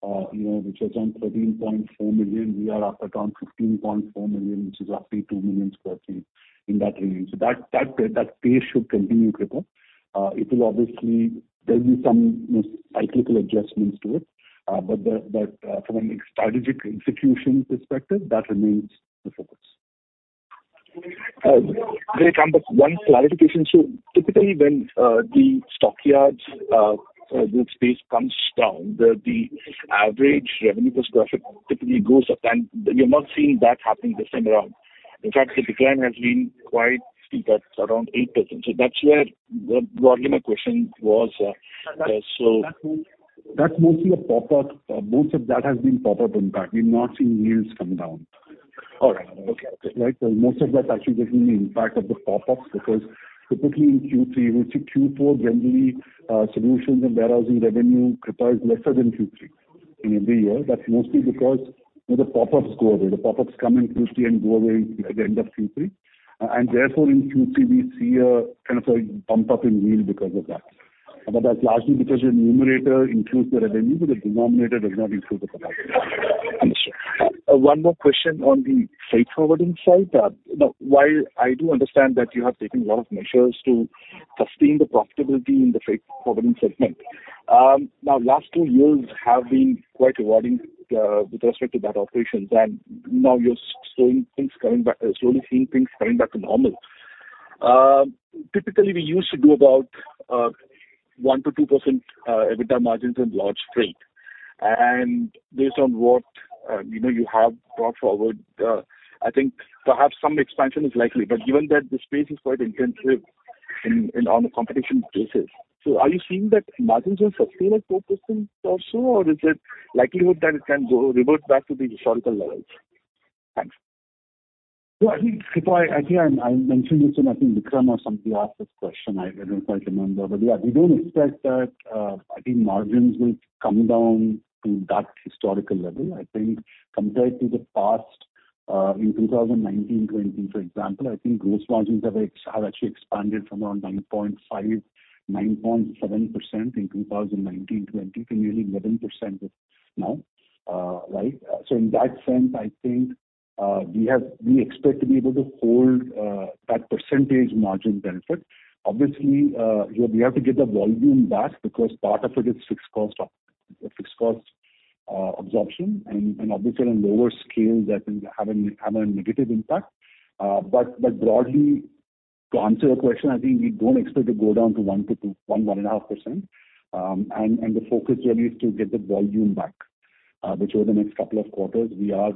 C: know, which was around 13.4 million, we are up around 15.4 million, which is roughly 2 million sq ft in that range. That pace should continue, Kripa. It'll obviously there'll be some, you know, cyclical adjustments to it. From a strategic execution perspective, that remains the focus.
J: Great. One clarification. Typically when the stockyards good space comes down, the average revenue per square foot typically goes up, and you're not seeing that happening this time around. In fact, the decline has been quite steep at around 8%. That's where broadly my question was.
C: That's mostly a pop-up. Most of that has been pop-up impact. We've not seen yields come down.
J: All right. Okay. Okay.
C: Right. Most of that's actually been the impact of the pop-ups because typically in Q3, we'll see Q4 generally, solutions and warehousing revenue, Kripa, is lesser than Q3. In every year, that's mostly because, you know, the pop-ups go away. The pop-ups come in Q3 and go away at the end of Q3. Therefore, in Q3, we see a kind of a bump up in yield because of that. That's largely because your numerator includes the revenue, but the denominator does not include the product.
J: Understood. One more question on the freight forwarding side. Now, while I do understand that you have taken a lot of measures to sustain the profitability in the freight forwarding segment, now last 2 years have been quite rewarding, with respect to that operations. Now you're showing things slowly seeing things coming back to normal. Typically, we used to do about 1%-2% EBITDA margins in large freight. Based on what, you know, you have brought forward, I think perhaps some expansion is likely. Given that the space is quite intensive on a competition basis, so are you seeing that margins will sustain at 4% or so, or is it likelihood that it can revert back to the historical levels? Thanks.
C: I think, Kripa, I think I mentioned this when I think Vikram or somebody asked this question. I don't know if I remember. Yeah, we don't expect that I think margins will come down to that historical level. I think compared to the past, in 2019-2020, for example, I think gross margins have actually expanded from around 9.5%-9.7% in 2019-2020 to nearly 11% now. Right. In that sense, I think we expect to be able to hold that percentage margin benefit. Obviously, we have to get the volume back because part of it is fixed cost absorption and obviously on lower scale that can have a negative impact. Broadly, to answer your question, I think we don't expect to go down to 1-1.5%. The focus really is to get the volume back, which over the next couple of quarters we are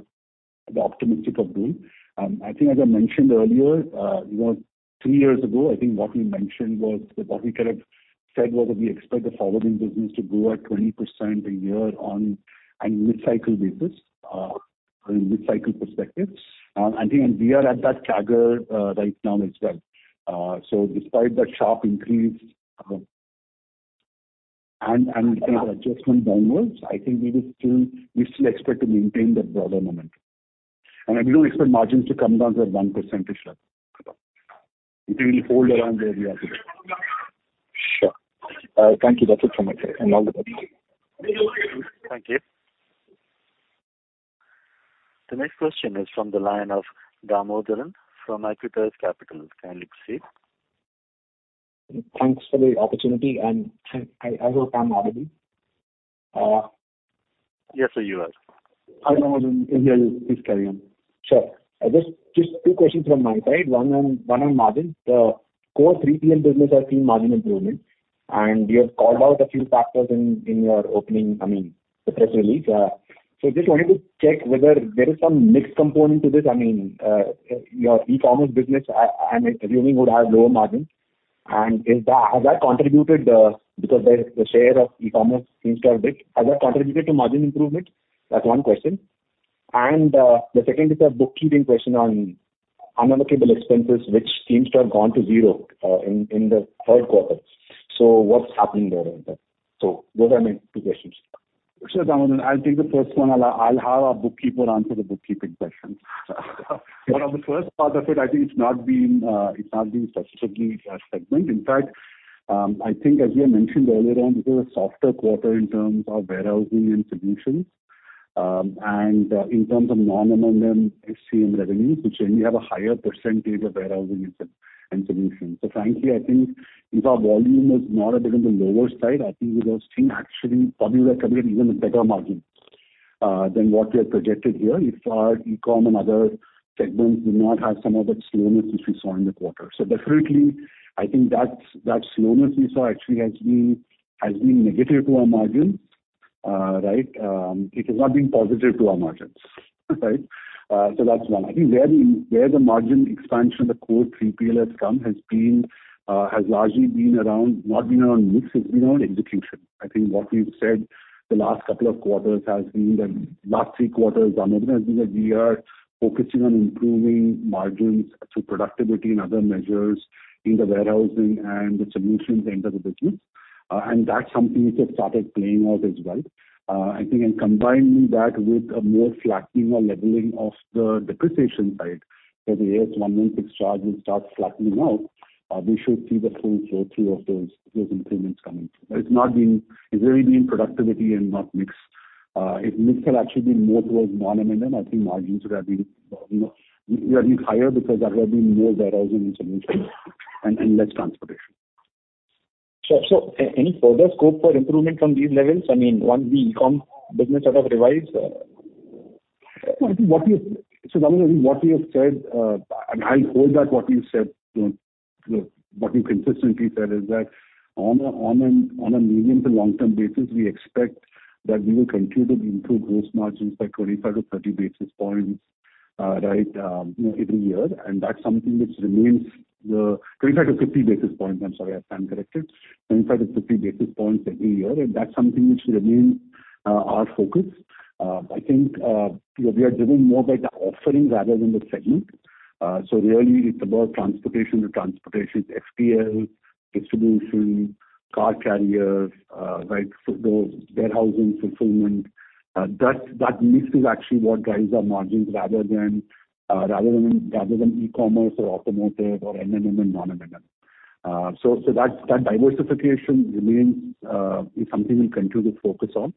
C: optimistic of doing. I think as I mentioned earlier, you know, 3 years ago, I think what we mentioned was that what we kind of said was that we expect the forwarding business to grow at 20% a year on a mid-cycle basis, a mid-cycle perspective. I think we are at that CAGR right now as well. Despite that sharp increase, and the adjustment downwards, I think we still expect to maintain that broader momentum. We don't expect margins to come down to that 1% level. I think we hold around where we are today.
J: Sure. Thank you. That's it from my side and all the best.
C: Thank you.
A: The next question is from the line of Damodaran from AXIS Capital. Kindly proceed.
K: Thanks for the opportunity. I hope I'm audible.
C: Yes, sir, you are. I know please carry on. Sure. Just two questions from my side. One on margins. The core 3PL business has seen margin improvement, and you have called out a few factors in your opening, I mean, the press release. Just wanted to check whether there is some mix component to this. I mean, your e-commerce business I'm assuming would have lower margins. Has that contributed because the share of e-commerce seems to have big, has that contributed to margin improvement? That's one question. The second is a bookkeeping question on unallocable expenses, which seems to have gone to zero in the third quarter. What's happening there with that? Those are my two questions. Sure, Damodaran. I'll take the first one. I'll have our bookkeeper answer the bookkeeping question. One of the first part of it, I think it's not been successfully segment. In fact, I think as we had mentioned earlier on, this is a softer quarter in terms of warehousing and solutions. In terms of non-M&M SCM revenues, which generally have a higher percentage of warehousing and so-and solutions. Frankly, I think if our volume was not a bit on the lower side, I think we would have seen actually probably were coming at even a better margin than what we have projected here if our e-com and other segments did not have some of that slowness which we saw in the quarter. Definitely, I think that slowness we saw actually has been, has been negative to our margins, right. It has not been positive to our margins. Right. That's one. I think where the, where the margin expansion of the core 3PL has come has been, has largely been around, not been around mix, it's been around execution. I think what we've said the last couple of quarters has been that last three quarters our narrative has been that we are focusing on improving margins through productivity and other measures in the warehousing and the solutions end of the business. That's something which have started playing out as well. I think in combining that with a more flattening or leveling of the depreciation side, the Ind AS 116 charge will start flattening out, we should see the full flow through of those improvements coming through. It's really been productivity and not mix. If mix had actually been more towards non-M&M, I think margins would have been, you know, would have been higher because that would have been more warehousing solutions and less transportation.
L: Sure. Any further scope for improvement from these levels? I mean, one, the e-com business sort of revise...
C: I think what we have said, Damodaran what we have said, I'll hold back what we've said, you know, what we've consistently said is that on a, on a, on a medium to long-term basis, we expect that we will continue to improve gross margins by 25 to 30 basis points, right, every year. That's something which remains 25 to 50 basis points, I'm sorry, I stand corrected. 25 to 50 basis points every year, that's something which remains our focus. I think, you know, we are driven more by the offering rather than the segment. Really it's about transportation to transportation, FTL, distribution, car carriers, right, warehousing, fulfillment. That mix is actually what drives our margins rather than e-commerce or automotive or M&M and non-M&M. That diversification remains, is something we'll continue to focus on.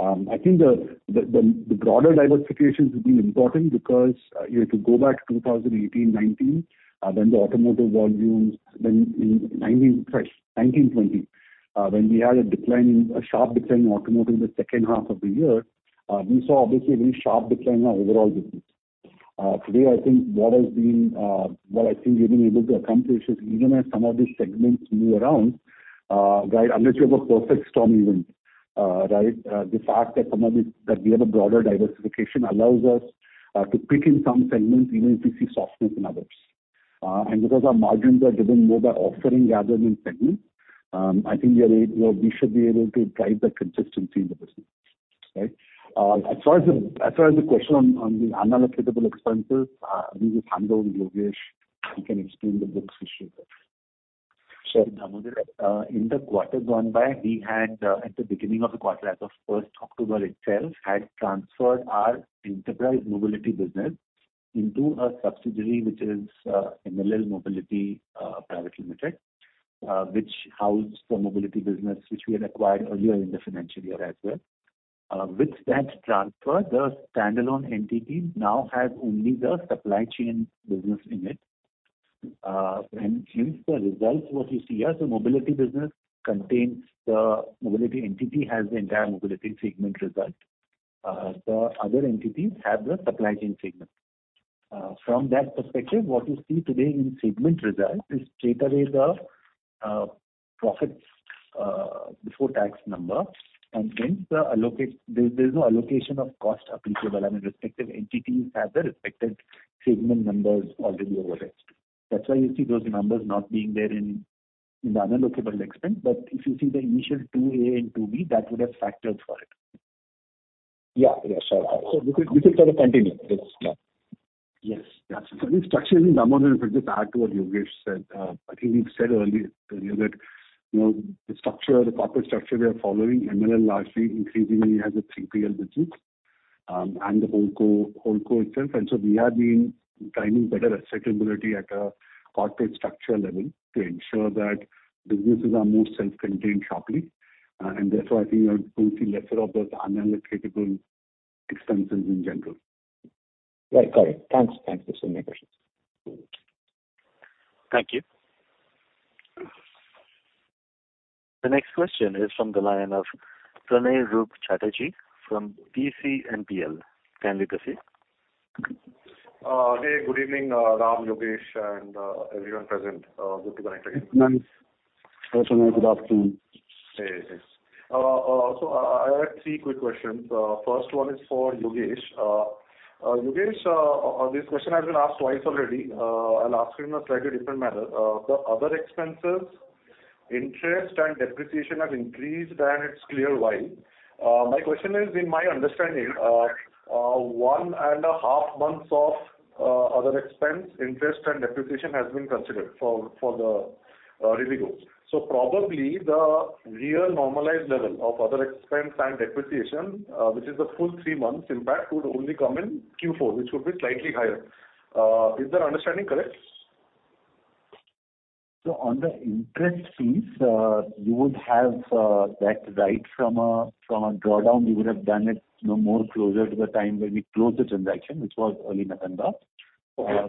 C: I think the broader diversification has been important because you have to go back to 2018, 2019, when the automotive volumes then in 2019, 2020, when we had a sharp decline in automotive in the second half of the year, we saw obviously a very sharp decline in our overall business. Today, I think what has been, what I think we've been able to accomplish is even as some of these segments move around, right, unless you have a perfect storm event, right, the fact that we have a broader diversification allows us to peak in some segments even if we see softness in others. Because our margins are driven more by offering rather than segment, I think, you know, we should be able to drive that consistency in the business. Right? As far as the question on the unallocatable expenses, maybe if Yogesh can explain the books issue there. Sure, Damodar. In the quarter gone by, we had at the beginning of the quarter, as of 1st October itself, had transferred our enterprise mobility business into a subsidiary which is MLL Mobility Private Limited, which housed the mobility business which we had acquired earlier in the financial year as well. With that transfer, the standalone entity now has only the supply chain business in it. Since the results what you see here, so mobility business contains the mobility entity has the entire mobility segment result. The other entities have the supply chain segment. From that perspective, what you see today in segment results is straightaway the profits before tax number, and hence there's no allocation of cost appreciable. I mean, respective entities have their respective segment numbers already over it. That's why you see those numbers not being there in the unallocatable expense. If you see the initial two A and two B, that would have factored for it. Yeah. Yeah, sure. This is sort of continuing this. Yeah. Yes. Yeah. I mean, structurally, Damodar, if I just add to what Yogesh said, I think we've said earlier that, you know, the structure, the corporate structure we are following, MLL largely increasingly has a 3PL business, and the whole co itself. We have been driving better asset ability at a corporate structure level to ensure that businesses are more self-contained sharply. Therefore I think you're going to see lesser of those unallocatable expenses in general. Right. Got it. Thanks. Thanks for sending my questions.
A: Thank you. The next question is from the line of Pranay Roop Chatterjee from BCMPL. Kindly proceed.
M: Hey, good evening, Ram, Yogesh, and everyone present. Good to connect again.
C: Hi. Hi, Pranay. Good afternoon.
M: Hey. Yes. I have three quick questions. First one is for Yogesh. Yogesh, this question has been asked twice already. I'll ask it in a slightly different manner. The other expenses, interest and depreciation have increased and it's clear why. My question is, in my understanding, one and a half months of other expense, interest and depreciation has been considered for the Rivigo. Probably the real normalized level of other expense and depreciation, which is the full three months impact, would only come in Q4, which would be slightly higher. Is that understanding correct?
C: On the interest fees, you would have, that right from a, from a drawdown, you would have done it, you know, more closer to the time when we closed the transaction, which was early November.
M: Yeah.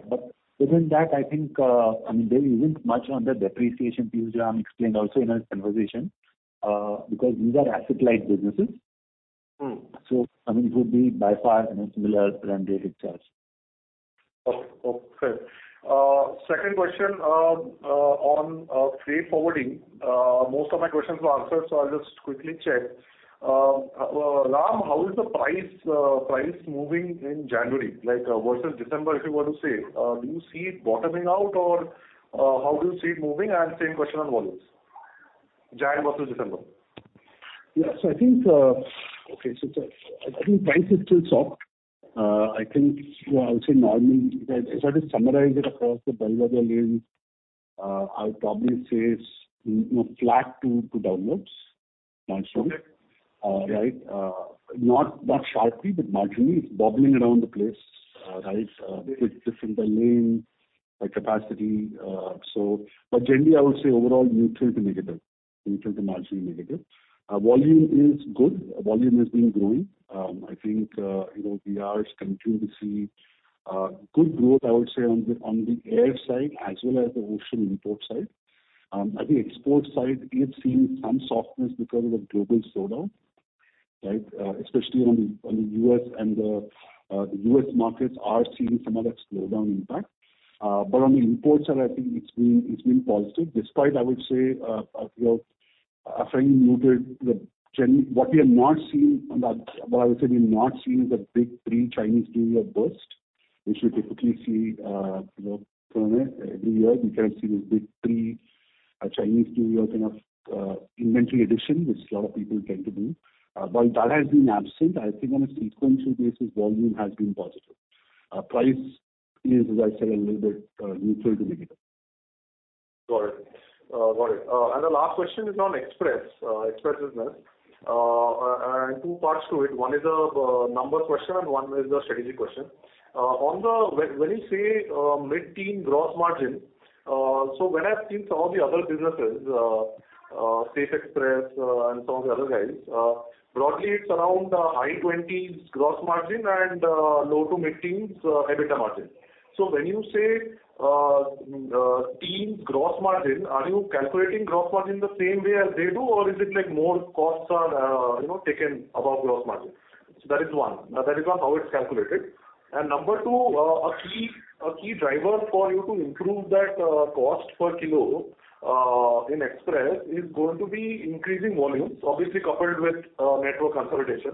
C: Within that, I think, I mean, there isn't much on the depreciation fees, Ram explained also in our conversation, because these are asset light businesses.
M: Mm.
C: I mean, it would be by far, you know, similar run rate, et cetera.
M: Okay. Second question on freight forwarding. Most of my questions were answered, so I'll just quickly check. Ram, how is the price moving in January, like, versus December, if you were to say? Do you see it bottoming out or, how do you see it moving? Same question on volumes. Jan versus December.
C: Yeah. I think. Okay. I think price is still soft. I think, I would say normally, if I just summarize it across the delivery lens, I'd probably say it's, you know, flat to downwards marginally.
M: Okay.
C: Right? Not sharply, but marginally. It's bobbling around the place, right? Bit different by lane, by capacity. Generally, I would say overall neutral to negative. Neutral to marginally negative. Volume is good. Volume has been growing. I think, you know, we are continuing to see good growth, I would say, on the air side as well as the ocean import side. I think export side is seeing some softness because of the global slowdown, right? Especially on the US and the US markets are seeing some of that slowdown impact. On the import side, I think it's been, it's been positive, despite I would say, as we have fairly noted what we have not seen on that, what I would say we've not seen is a big pre-Chinese New Year burst. We typically see, you know, Pranav, every year we kind of see this big pre-Chinese New Year kind of inventory addition, which a lot of people tend to do. That has been absent, I think on a sequential basis, volume has been positive. Price is, as I said, a little bit neutral to negative.
M: Got it. Got it. The last question is on Express business. Two parts to it. One is a number question and one is a strategic question. On the... When, when you say mid-teen gross margin, when I've seen some of the other businesses, Safexpress, and some of the other guys, broadly it's around high 20s gross margin and low to mid-teens EBITDA margin. When you say teens gross margin, are you calculating gross margin the same way as they do? Or is it like more costs are, you know, taken above gross margin? That is one, how it's calculated. Number 2, a key driver for you to improve that, cost per kilo in Express is going to be increasing volumes, obviously coupled with, network consolidation.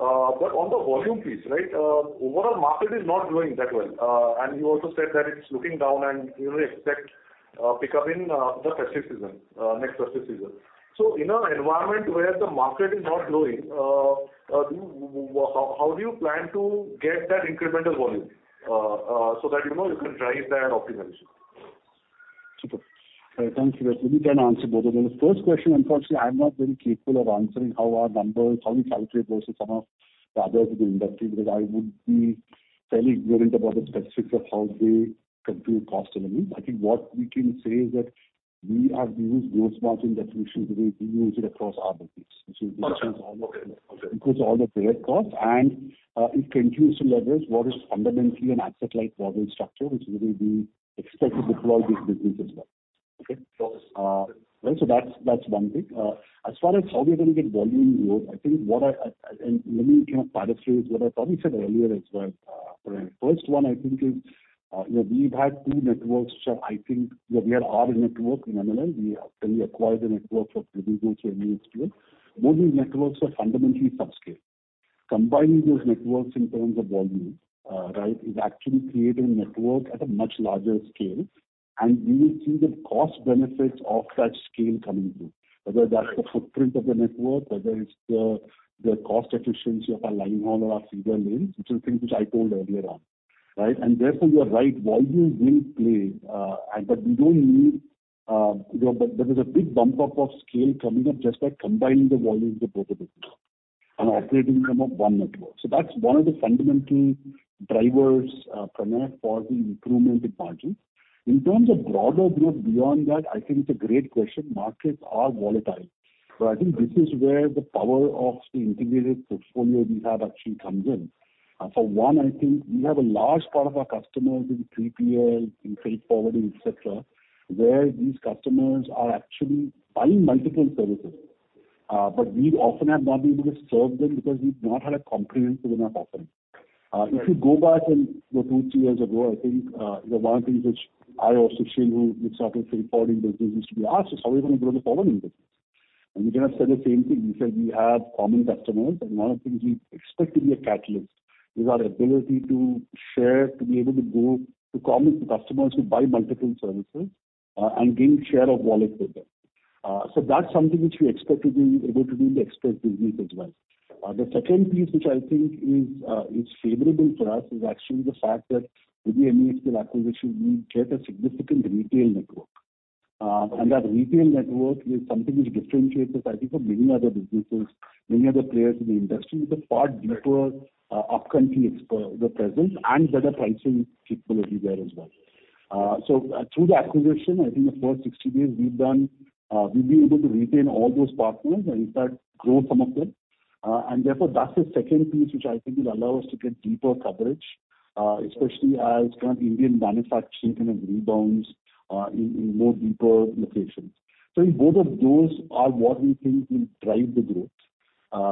M: On the volume piece, right, overall market is not growing that well. You also said that it's looking down and you will expect pickup in the festive season, next festive season. In an environment where the market is not growing, How do you plan to get that incremental volume so that, you know, you can drive that optimization?
C: Super. Thank you. Let me try and answer both of them. The first question, unfortunately, I'm not very capable of answering how our numbers, how we calculate versus some of the others in the industry, because I would be fairly ignorant about the specifics of how they compute cost elements. I think what we can say is that we have used gross margin definition the way we use it across our business.
M: Okay.
C: Which includes all the variable costs, and, it continues to leverage what is fundamentally an asset-light model structure, which we will be expecting to deploy this business as well.
M: Okay.
C: Right. That's one thing. As far as how we're gonna get volume growth, I think what I... Let me kind of paraphrase what I probably said earlier as well. Pranav, first one I think is, you know, we've had two networks. I think we had our network in MLL. We actually acquired the network from Rivigo through MESPL. Both these networks are fundamentally subscale. Combining those networks in terms of volume, right, is actually creating network at a much larger scale. We will see the cost benefits of such scale coming through.
M: Right.
C: Whether that's the footprint of the network, whether it's the cost efficiency of our line haul or our feeder lanes, which are things which I told earlier on, right? Therefore, you are right, volume will play. But we don't need, you know. There is a big bump up of scale coming up just by combining the volumes of both the business and operating them on one network. That's one of the fundamental drivers, Pranav, for the improvement in margin. In terms of broader growth beyond that, I think it's a great question. Markets are volatile. I think this is where the power of the integrated portfolio we have actually comes in. For one, I think we have a large part of our customers in 3PL, in freight forwarding, et cetera, where these customers are actually buying multiple services. We've often not been able to serve them because we've not had a comprehensive enough offering.
M: Right.
C: If you go back and, you know, 2, 3 years ago, I think, you know, one of the things which I or Sushil, who started the freight forwarding business used to be asked is, "How are you gonna grow the forwarding business?" We kind of said the same thing. We said we have common customers, one of the things we expect to be a catalyst is our ability to share, to be able to go to common customers who buy multiple services, and gain share of wallet with them. That's something which we expect to be able to do in the Express business as well. The second piece which I think is favorable for us is actually the fact that with the MESPL acquisition we get a significant retail network. That retail network is something which differentiates us, I think, from many other businesses, many other players in the industry with a far deeper upcountry presence and better pricing capability there as well. Through the acquisition, I think the first 60 days we've done, we've been able to retain all those partners and in fact grow some of them. Therefore that's the second piece which I think will allow us to get deeper coverage, especially as kind of Indian manufacturing kind of rebounds in more deeper locations. I think both of those are what we think will drive the growth.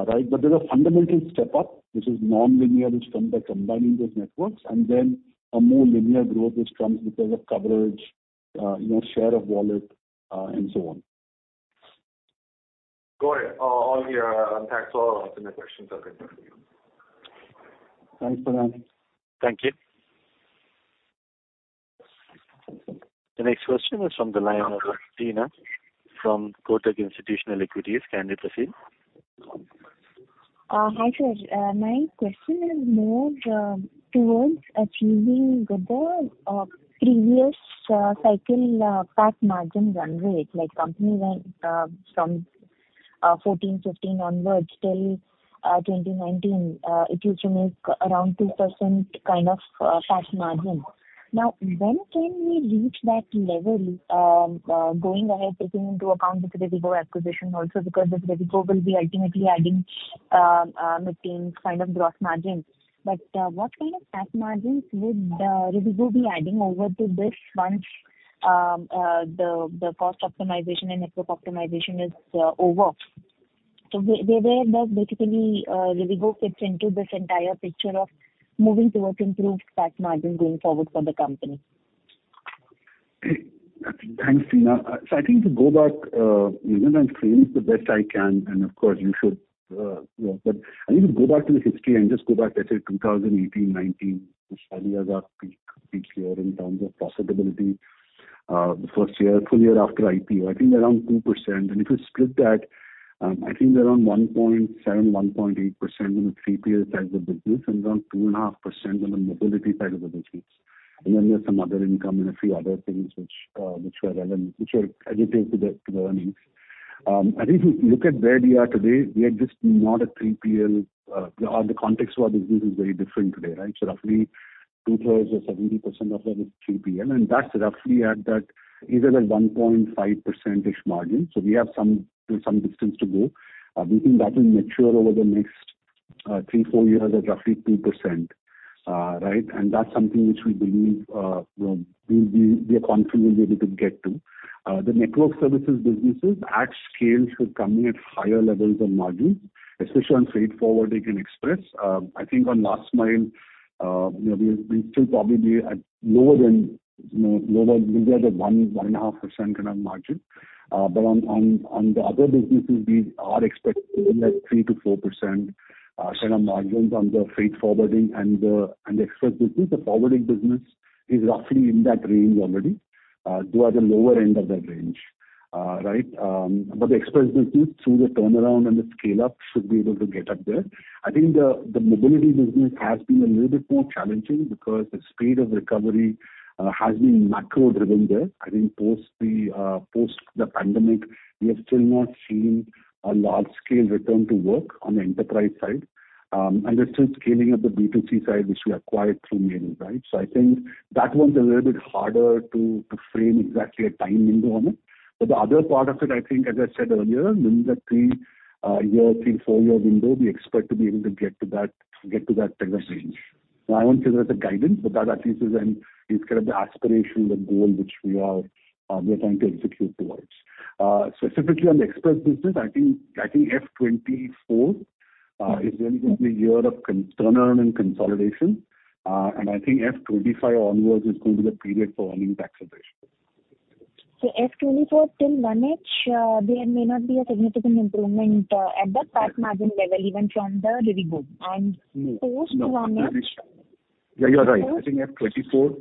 C: Right. There's a fundamental step up which is nonlinear, which comes by combining those networks and then a more linear growth which comes because of coverage, you know, share of wallet, and so on.
M: Got it. Thanks a lot. I think my questions are concluded for you.
C: Thanks, Pranav.
A: Thank you. The next question is from the line of Dina from Kotak Institutional Equities. Kindly proceed.
N: Hi, sir. My question is more towards achieving the previous cycle PAT margin run rate, like company went from 14, 15 onwards till 2019. It used to make around 2% kind of PAT margin. When can we reach that level going ahead, taking into account this Rivigo acquisition also because this Rivigo will be ultimately adding mid-teens kind of gross margin. What kind of PAT margins would Rivigo be adding over to this once the cost optimization and network optimization is over? Where does basically Rivigo fits into this entire picture of moving towards improved PAT margin going forward for the company?
C: Thanks, Dina. I think to go back, you know, and frame this the best I can, and of course you should, you know. I need to go back to the history and just go back, let's say 2018, 2019, which probably was our peak year in terms of profitability. The first year, full year after IPO, I think around 2%. If you split that, I think around 1.7%-1.8% in the 3PL side of the business and around 2.5% on the mobility side of the business. Then there's some other income and a few other things which were additive to the earnings. I think if you look at where we are today, we are just not a 3PL. The context of our business is very different today, right? Roughly two-thirds or 70% of that is 3PL, and that's roughly at that, either the 1.5%-ish margin. We have some distance to go. We think that will mature over the next three, four years at roughly 2%. Right. That's something which we believe, you know, we are confident we'll be able to get to. The network services businesses at scale should come in at higher levels of margin, especially on freight forwarding and express. I think on last mile, you know, we'll still probably be at lower than, you know, We'll be at the 1.5% kind of margin. On the other businesses, we are expecting to be at 3%-4% kind of margins on the freight forwarding and the express business. The forwarding business is roughly in that range already, though at the lower end of that range. Right. The express business, through the turnaround and the scale up should be able to get up there. I think the mobility business has been a little bit more challenging because the speed of recovery has been macro driven there. I think post the post the pandemic, we have still not seen a large scale return to work on the enterprise side. We're still scaling up the B2C side, which we acquired through Meru, right? I think that one's a little bit harder to frame exactly a time window on it. The other part of it, I think as I said earlier, within that three year, three, four-year window, we expect to be able to get to that kind of range. I won't say that's a guidance, but that at least is kind of the aspiration, the goal which we are trying to execute towards. Specifically on the express business, I think F24 is really going to be a year of turnaround and consolidation. I think F25 onwards is going to be the period for earnings acceleration.
N: F 24 till 1H, there may not be a significant improvement, at the PAT margin level, even from the Rivigo and post 1H...
C: Yeah, you are right. I think F24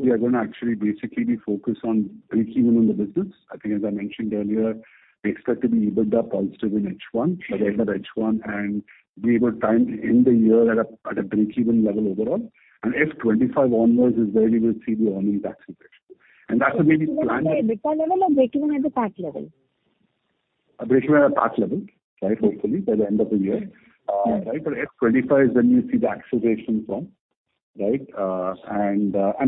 C: we are gonna actually basically be focused on breakeven in the business. I think as I mentioned earlier, we expect to be EBITDA positive in H1. By the end of H1 and be able to time to end the year at a breakeven level overall. F25 onwards is where you will see the earnings acceleration. That's the way we planned it.
N: Breakeven at the EBITDA level or breakeven at the PAT level?
C: Breakeven at PAT level, right. Hopefully by the end of the year. F25 is when you see the acceleration from, right.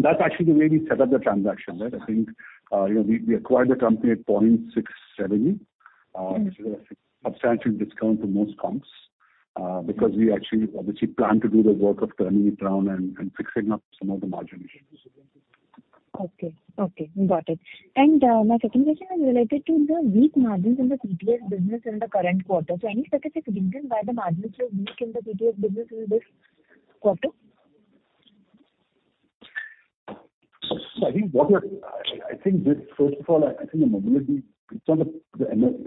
C: That's actually the way we set up the transaction, right? I think, you know, we acquired the company at 0.67 EBITDA, which is a substantial discount to most comps. Because we actually obviously planned to do the work of turning it around and fixing up some of the margin issues.
N: Okay. Okay. Got it. My second question is related to the weak margins in the TTS business in the current quarter. Any specific reason why the margins were weak in the TTS business in this quarter?
C: First of all, I think the mobility. It's on the.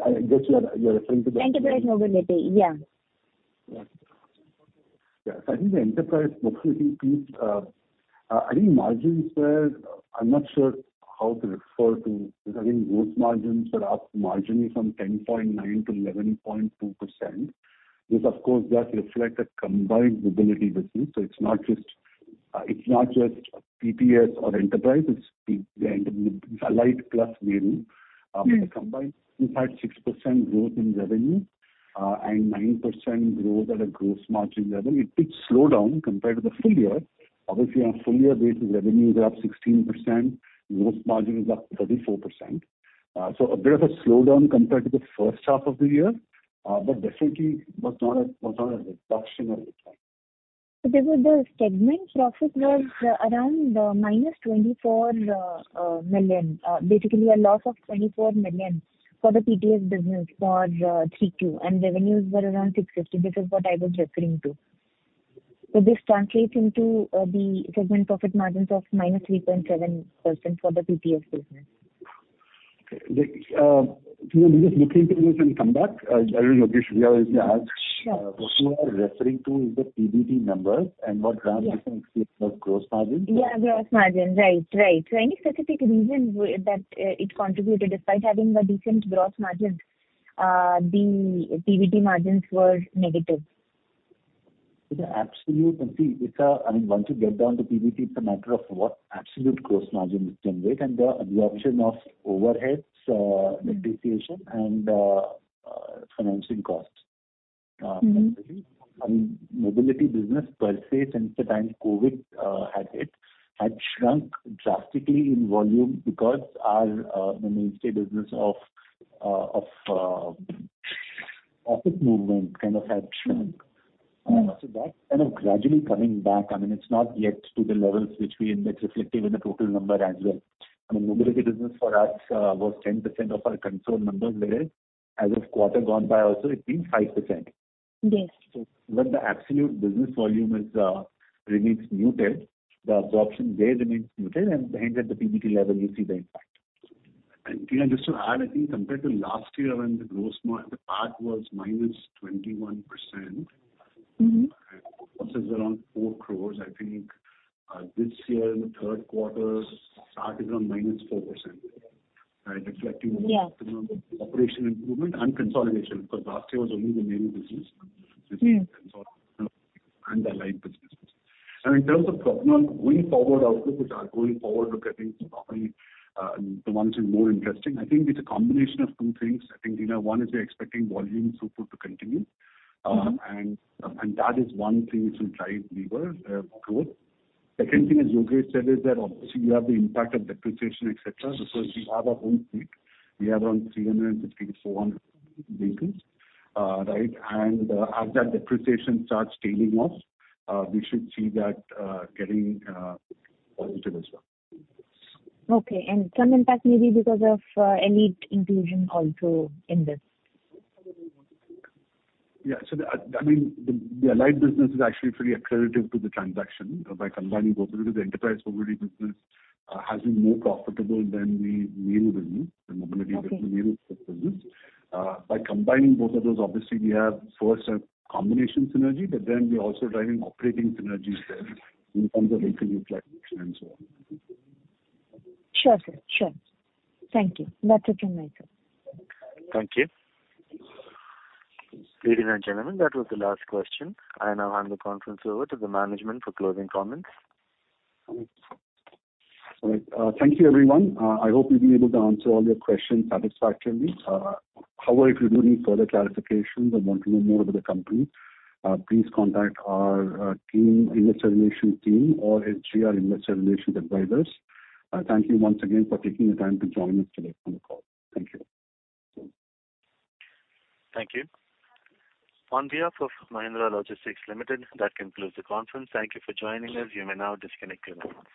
C: I guess you are referring to the.
N: Enterprise mobility. Yeah.
C: Yeah. I think the enterprise mobility piece, I think margins were, I'm not sure how to refer to... I think gross margins were up marginally from 10.9% to 11.2%, which of course does reflect a combined mobility business. It's not just TTS or enterprise, it's the Alyte plus Meru. The combined, we've had 6% growth in revenue, and 9% growth at a gross margin level. It did slow down compared to the full year. Obviously on a full year basis, revenues are up 16%. Gross margin is up 34%. A bit of a slowdown compared to the first half of the year, but definitely was not a reduction or a decline.
N: The segment profit was around minus 24 million. Basically a loss of 24 million for the TTS business for 3Q, and revenues were around 650 million. This is what I was referring to. This translates into the segment profit margins of minus 3.7% for the TTS business.
C: Okay. Wait, Dina, we'll just look into this and come back. I don't know, Yogesh, do you have anything to add?
N: Sure.
C: What you are referring to is the PBT numbers and what Ram can explain is gross margin.
N: Yeah, gross margin. Right. Right. Any specific reasons that it contributed despite having the decent gross margins, the PBT margins were negative?
C: The absolute... I mean, once you get down to PBT, it's a matter of what absolute gross margin is generated and the absorption of overheads, depreciation and financing costs.
N: Mm-hmm.
C: I mean, mobility business per se since the time COVID had hit, had shrunk drastically in volume because our the mainstay business of office movement kind of had shrunk. That's kind of gradually coming back. I mean, it's not yet to the levels. That's reflective in the total number as well. I mean, mobility business for us was 10% of our control numbers, whereas as this quarter gone by also it being 5%.
N: Yes, yes.
E: When the absolute business volume is remains muted, the absorption there remains muted, and hence at the PBT level you see the impact. Dina, just to add, I think compared to last year when the gross PAT was minus 21%.
N: Mm-hmm.
C: Losses around 4 crore, I think, this year in the third quarter, SAT is on -4%, right?
N: Yeah.
C: on the operational improvement and consolidation, because last year was only the main business.
N: Mm-hmm.
C: The light businesses. In terms of going forward look, I think is probably the ones who are more interesting. I think it's a combination of two things. I think, you know, one is we are expecting volume throughput to continue.
N: Mm-hmm.
C: That is one thing which will drive lever growth. Second thing, as Yogesh said, is that obviously you have the impact of depreciation, et cetera. Because we have our own fleet, we have around 350 to 400 vehicles, right? As that depreciation starts tailing off, we should see that getting positive as well.
N: Okay. Some impact maybe because of Aline inclusion also in this?
C: Yeah. I mean, the Alyte business is actually pretty accretive to the transaction. By combining both of those, the enterprise mobility business has been more profitable than the main business, the mobility business.
N: Okay.
C: By combining both of those, obviously we have first a combination synergy, but then we're also driving operating synergies there in terms of vehicle utilization and so on.
N: Sure, sir. Sure. Thank you. That's it from my side.
A: Thank you. Ladies and gentlemen, that was the last question. I now hand the conference over to the management for closing comments. Thank you everyone. I hope we've been able to answer all your questions satisfactorily. However, if you do need further clarifications or want to know more about the company, please contact our team, investor relations team or HGR Investor Relations advisors. Thank you once again for taking the time to join us today on the call. Thank you. Thank you. On behalf of Mahindra Logistics Limited, that concludes the conference. Thank you for joining us. You may now disconnect your lines.